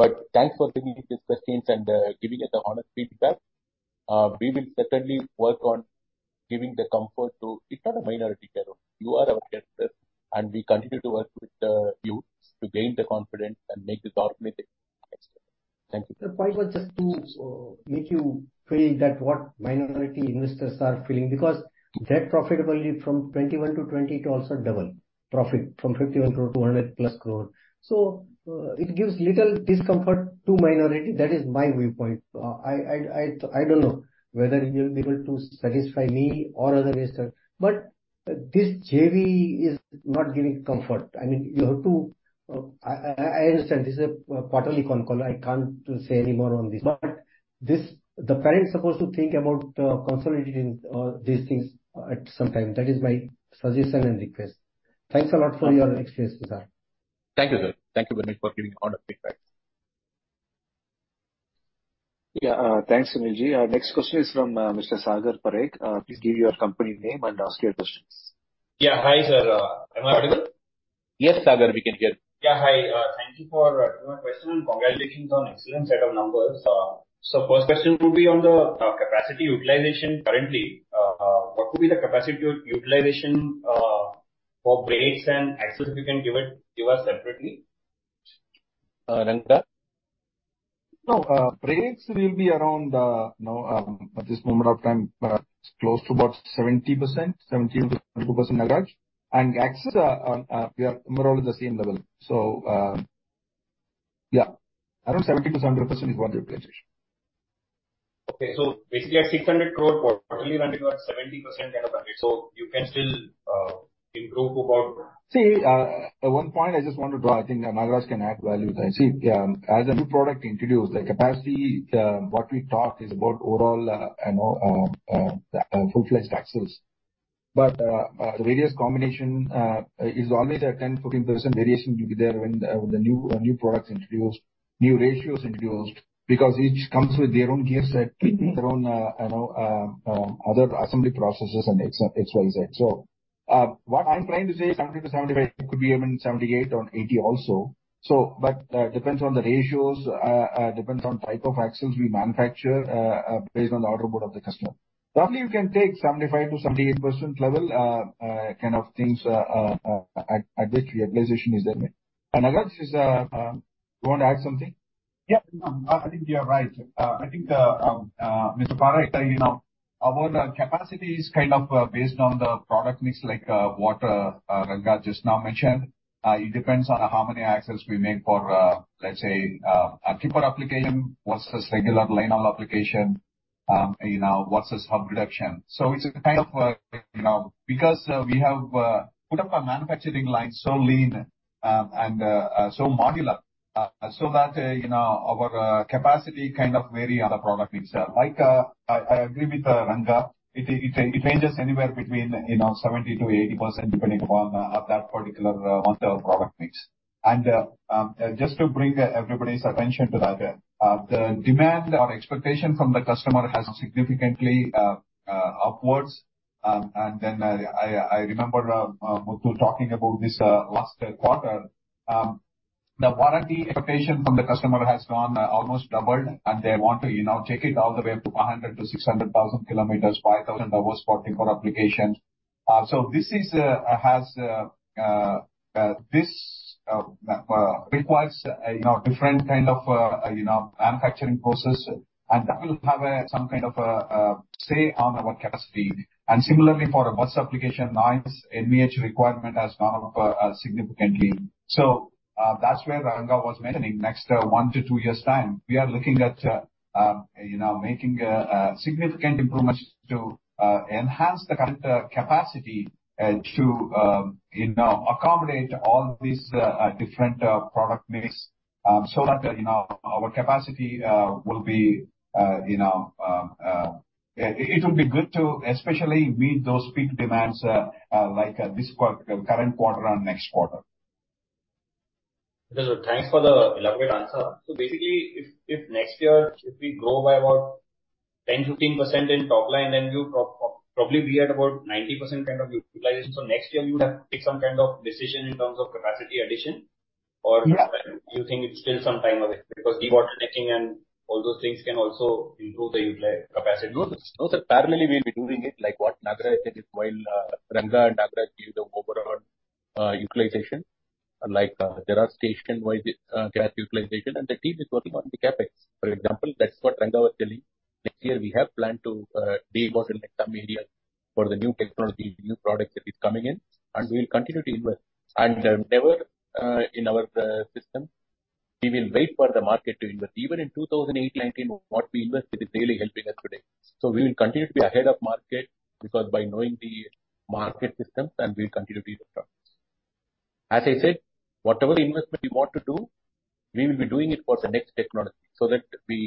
C: But thanks for bringing these questions and, giving us the honest feedback. We will certainly work on giving the comfort to... It's not a minority, you are our customer, and we continue to work with, you to gain the confidence and make this automatic. Thank you.
H: The point was just to make you feel that what minority investors are feeling, because that profitability from 2021 to 2022, it also double. Profit from 51 crore to 200+ crore. So, it gives little discomfort to minority. That is my viewpoint. I don't know whether you'll be able to satisfy me or other investor, but this JV is not giving comfort. I mean, you have to, I understand this is a quarterly con call. I can't say any more on this, but this, the parent's supposed to think about, consolidating, these things at some time. That is my suggestion and request. Thanks a lot for your explanation, sir. Thank you, sir. Thank you very much for giving honest feedback.
A: Yeah, thanks, Sunil Ji. Our next question is from Mr. Sagar Parekh. Please give your company name and ask your questions.
I: Yeah. Hi, sir. Am I audible?
B: Yes, Sagar, we can hear.
I: Yeah, hi. Thank you for taking my question, and congratulations on excellent set of numbers. So first question will be on the capacity utilization. Currently, what could be the capacity utilization for brakes and axles, if you can give it, give us separately?
C: Uh, Ranga?
D: No, brakes will be around, you know, at this moment of time, close to about 70%, 70%-72% average. And axles, we are more or less the same level. So, yeah, around 70%-100% is our utilization.
I: Okay. So basically, at 600 crore quarterly running about 70% capacity, so you can still improve about- See, one point I just want to draw, I think Nagaraj can add value. See, as a new product introduced, the capacity, what we talk is about overall, you know, full-fledged axles. But, the various combination, is always a 10-14% variation will be there when the new products introduced, new ratios introduced, because each comes with their own gear set, their own, you know, other assembly processes and et cetera. So, what I'm trying to say, 70-75, could be even 78 or 80 also. So, but, depends on the ratios, depends on type of axles we manufacture, based on the order board of the customer.
C: Roughly, you can take 75%-78% level, kind of things, at which the utilization is there. And, Nagaraj, you want to add something?
B: Yeah, no, I think you are right. I think, Mr. Parekh, you know, our capacity is kind of based on the product mix, like, what Ranga just now mentioned. It depends on how many axles we make for, let's say, a tipper application, what's the regular liner application, you know, what's the hub reduction. So it's a kind of, you know, because we have put up our manufacturing line so lean, and so modular, so that, you know, our capacity kind of vary on the product mix. Like, I agree with Ranga, it ranges anywhere between, you know, 70%-80%, depending upon that particular, on the product mix. Just to bring everybody's attention to that, the demand or expectation from the customer has significantly upwards. I remember Muthu talking about this last quarter. The warranty expectation from the customer has gone almost doubled, and they want to, you know, take it all the way up to 500,000-600,000 kilometers, 5,000 hours for tipper applications. So this requires a you know different kind of you know manufacturing process, and that will have some kind of say on our capacity. Similarly, for bus application lines, [NVH] requirement has gone up significantly. So, that's where Ranga was mentioning, next, 1-2 years' time, we are looking at, you know, making significant improvements to enhance the current capacity to, you know, accommodate all these different product mix- so that, you know, our capacity will be, you know, it will be good to especially meet those peak demands, like this quarter, current quarter, and next quarter.
I: Thanks for the elaborate answer. So basically, if next year we grow by about 10%-15% in top line, then you probably be at about 90% kind of utilization. So next year you have to take some kind of decision in terms of capacity addition or-
C: Yeah.
I: You think it's still some time away? Because de-bottlenecking and all those things can also improve the util- capacity.
C: No, no, sir. Parallelly, we'll be doing it like what Nagaraj did it while Ranga and Nagaraj gave the overall utilization. Like, there are station-wise capacity utilization, and the team is working on the CapEx. For example, that's what Ranga was telling. This year, we have planned to de-bottleneck some areas for the new technology, new products that is coming in, and we will continue to invest. And never in our system, we will wait for the market to invest. Even in 2008, 2019, what we invested is really helping us today. So we will continue to be ahead of market, because by knowing the market systems, and we'll continue to be the front. As I said, whatever investment we want to do, we will be doing it for the next technology, so that we,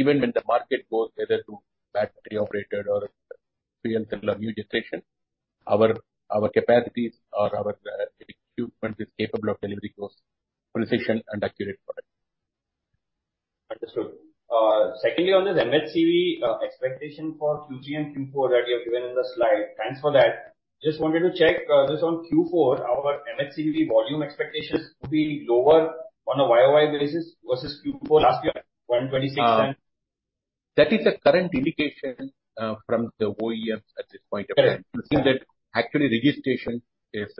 C: even when the market goes either to battery operated or fuel cell or new generation, our, our capacities or our equipment is capable of delivering those precision and accurate product.
I: Understood. Secondly, on this MHCV expectation for Q3 and Q4 that you have given in the slide. Thanks for that. Just wanted to check, just on Q4, our MHCV volume expectations could be lower on a YoY basis versus Q4 last year, 126 and-
C: That is the current indication from the OEMs at this point of time.
I: Okay.
C: You see that actually, registration has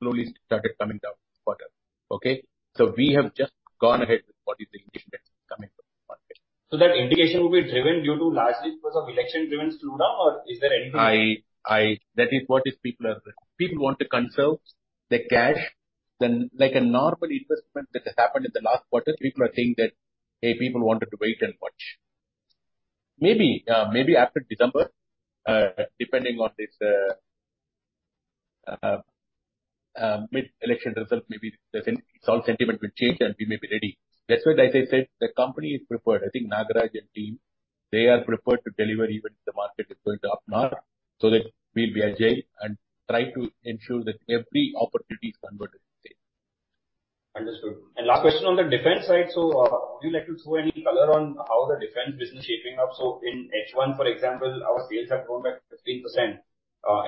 C: slowly started coming down this quarter. Okay? So we have just gone ahead with what is the indication that's coming from the market.
I: So that indication will be driven due to largely because of election-driven slowdown, or is there anything-
C: That is what people are, people want to conserve the cash. Then, like a normal investment that has happened in the last quarter, people are thinking that, "Hey, people wanted to wait and watch." Maybe, maybe after December, depending on this, mid-election result, maybe the sentiment will change, and we may be ready. That's why, as I said, the company is prepared. I think Nagaraj and team, they are prepared to deliver even if the market is going to up north, so that we'll be agile and try to ensure that every opportunity is converted to sale.
I: Understood. And last question on the defense side: so, would you like to throw any color on how the defense business is shaping up? So in H1, for example, our sales have grown by 15%.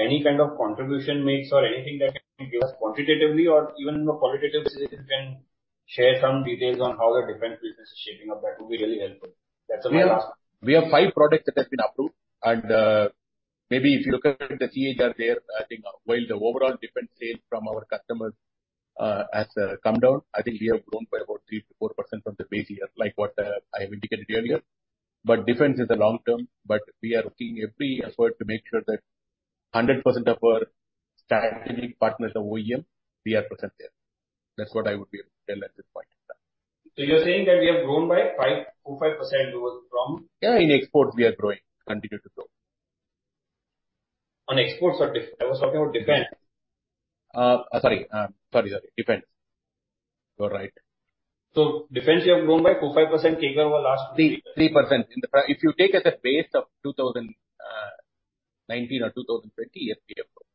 I: Any kind of contribution mix or anything that can give us quantitatively or even qualitatively, you can share some details on how the defense business is shaping up, that would be really helpful. That's my last-
C: We have five products that has been approved, and, maybe if you look at the CAGR there, I think while the overall defense sales from our customers has come down, I think we have grown by about 3%-4% from the base year, like what I have indicated earlier. But defense is a long term, but we are taking every effort to make sure that 100% of our strategic partners or OEM, we are present there. That's what I would be able to tell at this point in time.
I: You're saying that we have grown by 5.45% over from?
C: Yeah, in exports, we are growing, continue to grow.
I: On exports or I was talking about defense.
C: Sorry, defense. You're right.
I: Defense, you have grown by 4%-5% year over last-
C: 3.3%. In the past, if you take as a base of 2019 or 2020, yes, we have grown.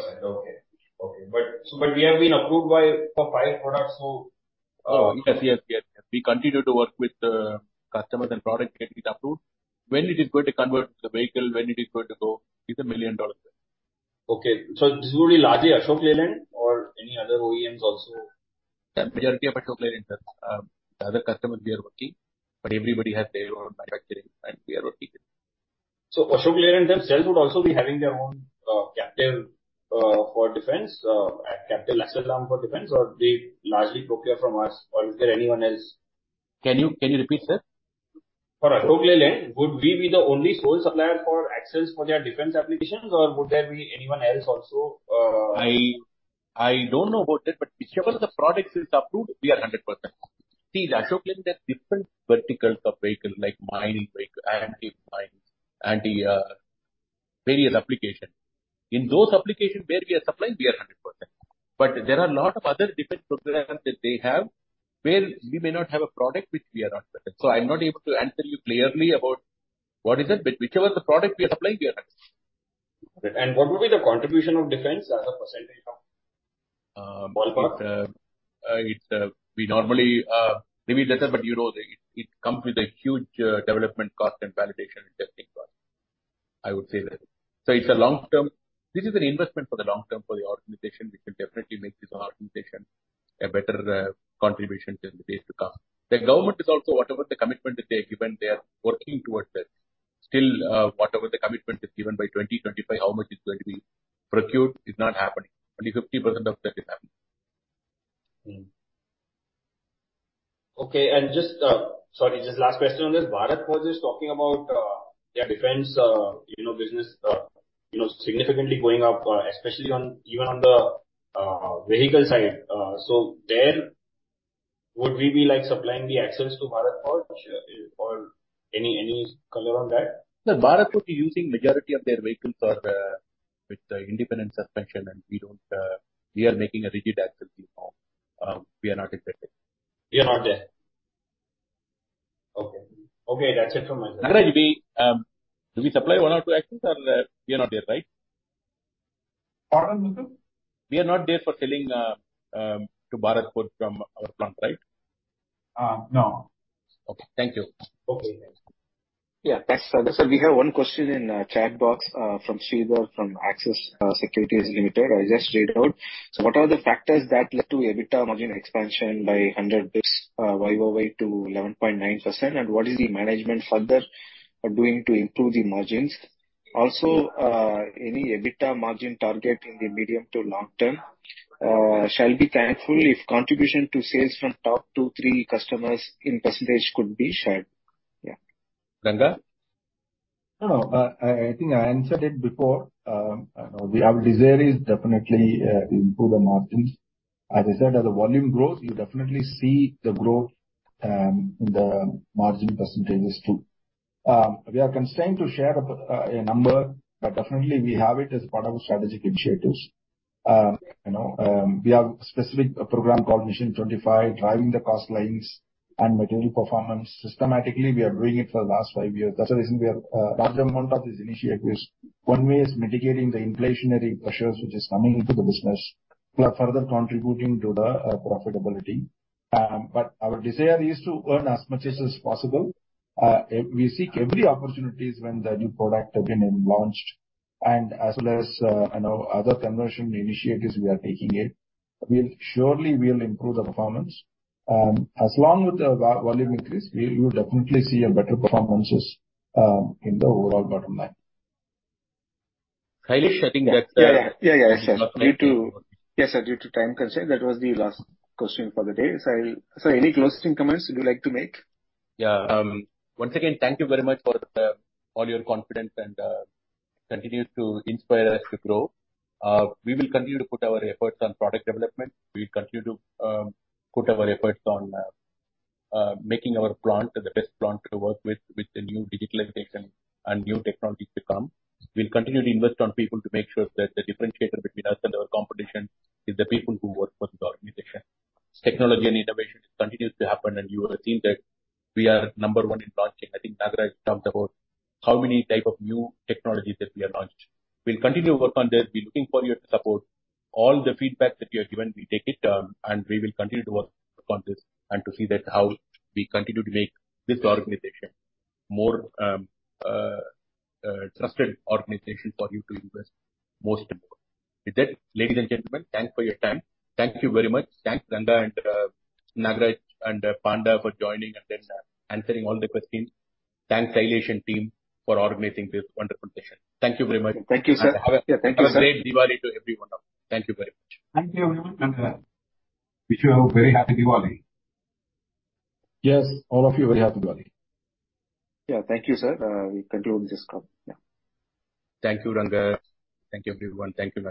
I: 3%, okay. Okay, but, so but we have been approved by for five products, so...
C: Yes, yes, yes. We continue to work with the customers and product getting it approved. When it is going to convert to the vehicle, when it is going to go, is a million-dollar question.
I: Okay, so this will be largely Ashok Leyland or any other OEMs also?
C: The majority of Ashok Leyland, sir. Other customers we are working, but everybody has their own manufacturing, and we are working with them.
I: So Ashok Leyland themselves would also be having their own, captive, for defense, captive axle arm for defense, or they largely procure from us, or is there anyone else?
C: Can you, can you repeat, sir?
I: For Ashok Leyland, would we be the only sole supplier for axles for their defense applications, or would there be anyone else also?
C: I don't know about that, but whichever the products is approved, we are 100%. See, the Ashok Leyland has different verticals of vehicle, like mining vehicle, anti-mining, anti, various application. In those applications where we are supplying, we are 100%. But there are a lot of other defense programs that they have, where we may not have a product, which we are not present. So I'm not able to answer you clearly about what is it, but whichever the product we are supplying, we are 100%.
I: What would be the contribution of defense as a percentage of?
C: It's, we normally, maybe less, but, you know, it, it comes with a huge, development cost and validation and testing cost. I would say that. So it's a long term... This is an investment for the long term, for the organization, which will definitely make this organization a better, contribution in the days to come. The government is also, whatever the commitment that they're given, they are working towards that. Still, whatever the commitment is given by 2025, how much is going to be procured is not happening. Only 50% of that is happening.
I: Okay, and just, sorry, just last question on this. Bharat Forge is talking about their defense, you know, business, you know, significantly going up, especially on, even on the vehicle side. So there, would we be, like, supplying the axles to Bharat Forge? Or any, any color on that?
C: No, Bharat Forge is using majority of their vehicles for, with the independent suspension, and we don't, we are making a rigid axle now. We are not affected. We are not there.
I: Okay. Okay, that's it from my side.
C: Nagaraj, we, do we supply one or two axles, or we are not there, right?
B: Pardon, Muthu.
C: We are not there for selling, to Bharat Forge from our plant, right?
B: Uh, no.
C: Okay. Thank you.
B: Okay.
A: Yeah, thanks. So we have one question in chat box from Sridhar from Axis Securities Limited. I just read out. So what are the factors that led to EBITDA margin expansion by 100 basis points YoY to 11.9%, and what is the management further doing to improve the margins? Also, any EBITDA margin target in the medium to long term? Shall be thankful if contribution to sales from top two, three customers in percentage could be shared. Yeah.
C: Ranga?
D: No, no, I think I answered it before. You know, our desire is definitely improve the margins. As I said, as the volume grows, you definitely see the growth in the margin percentages, too. We are concerned to share a a number, but definitely we have it as part of strategic initiatives. You know, we have a specific program called Mission 25, driving the cost lines and material performance. Systematically, we are doing it for the last five years. That's the reason a large amount of this initiative is one way is mitigating the inflationary pressures which is coming into the business, but further contributing to the profitability. But our desire is to earn as much as is possible. We seek every opportunities when the new product has been launched, and as well as, you know, other conversion initiatives we are taking it. We'll surely we will improve the performance. As long with the volume increase, we, you definitely see a better performances in the overall bottom line.
C: Sailesh, I think that,
A: Yeah, yeah. Yeah, yeah, yes, sir. Due to... Yes, sir, due to time constraint, that was the last question for the day. So I'll-- Sir, any closing comments you'd like to make?
C: Yeah. Once again, thank you very much for all your confidence and continue to inspire us to grow. We will continue to put our efforts on product development. We'll continue to put our efforts on making our plant the best plant to work with, with the new digitalized and new technologies to come. We'll continue to invest on people to make sure that the differentiator between us and our competition is the people who work with the organization. Technology and innovation continues to happen, and you have seen that we are number one in launching. I think Nagaraj talked about how many type of new technologies that we have launched. We'll continue to work on this. We're looking for your support. All the feedback that you have given, we take it, and we will continue to work on this and to see that how we continue to make this organization more trusted organization for you to invest most important. With that, ladies and gentlemen, thanks for your time. Thank you very much. Thanks, Ranga and Nagaraj, and Panda for joining and then answering all the questions. Thanks, Kailash and team, for organizing this wonderful session. Thank you very much.
A: Thank you, sir.
C: Have a-
A: Yeah, thank you, sir.
C: Happy Diwali to every one of you. Thank you very much. Thank you, everyone, and wish you a very happy Diwali.
D: Yes, all of you, very happy Diwali.
A: Yeah. Thank you, sir. We conclude this call. Yeah.
C: Thank you, Ranga. Thank you, everyone. Thank you very much.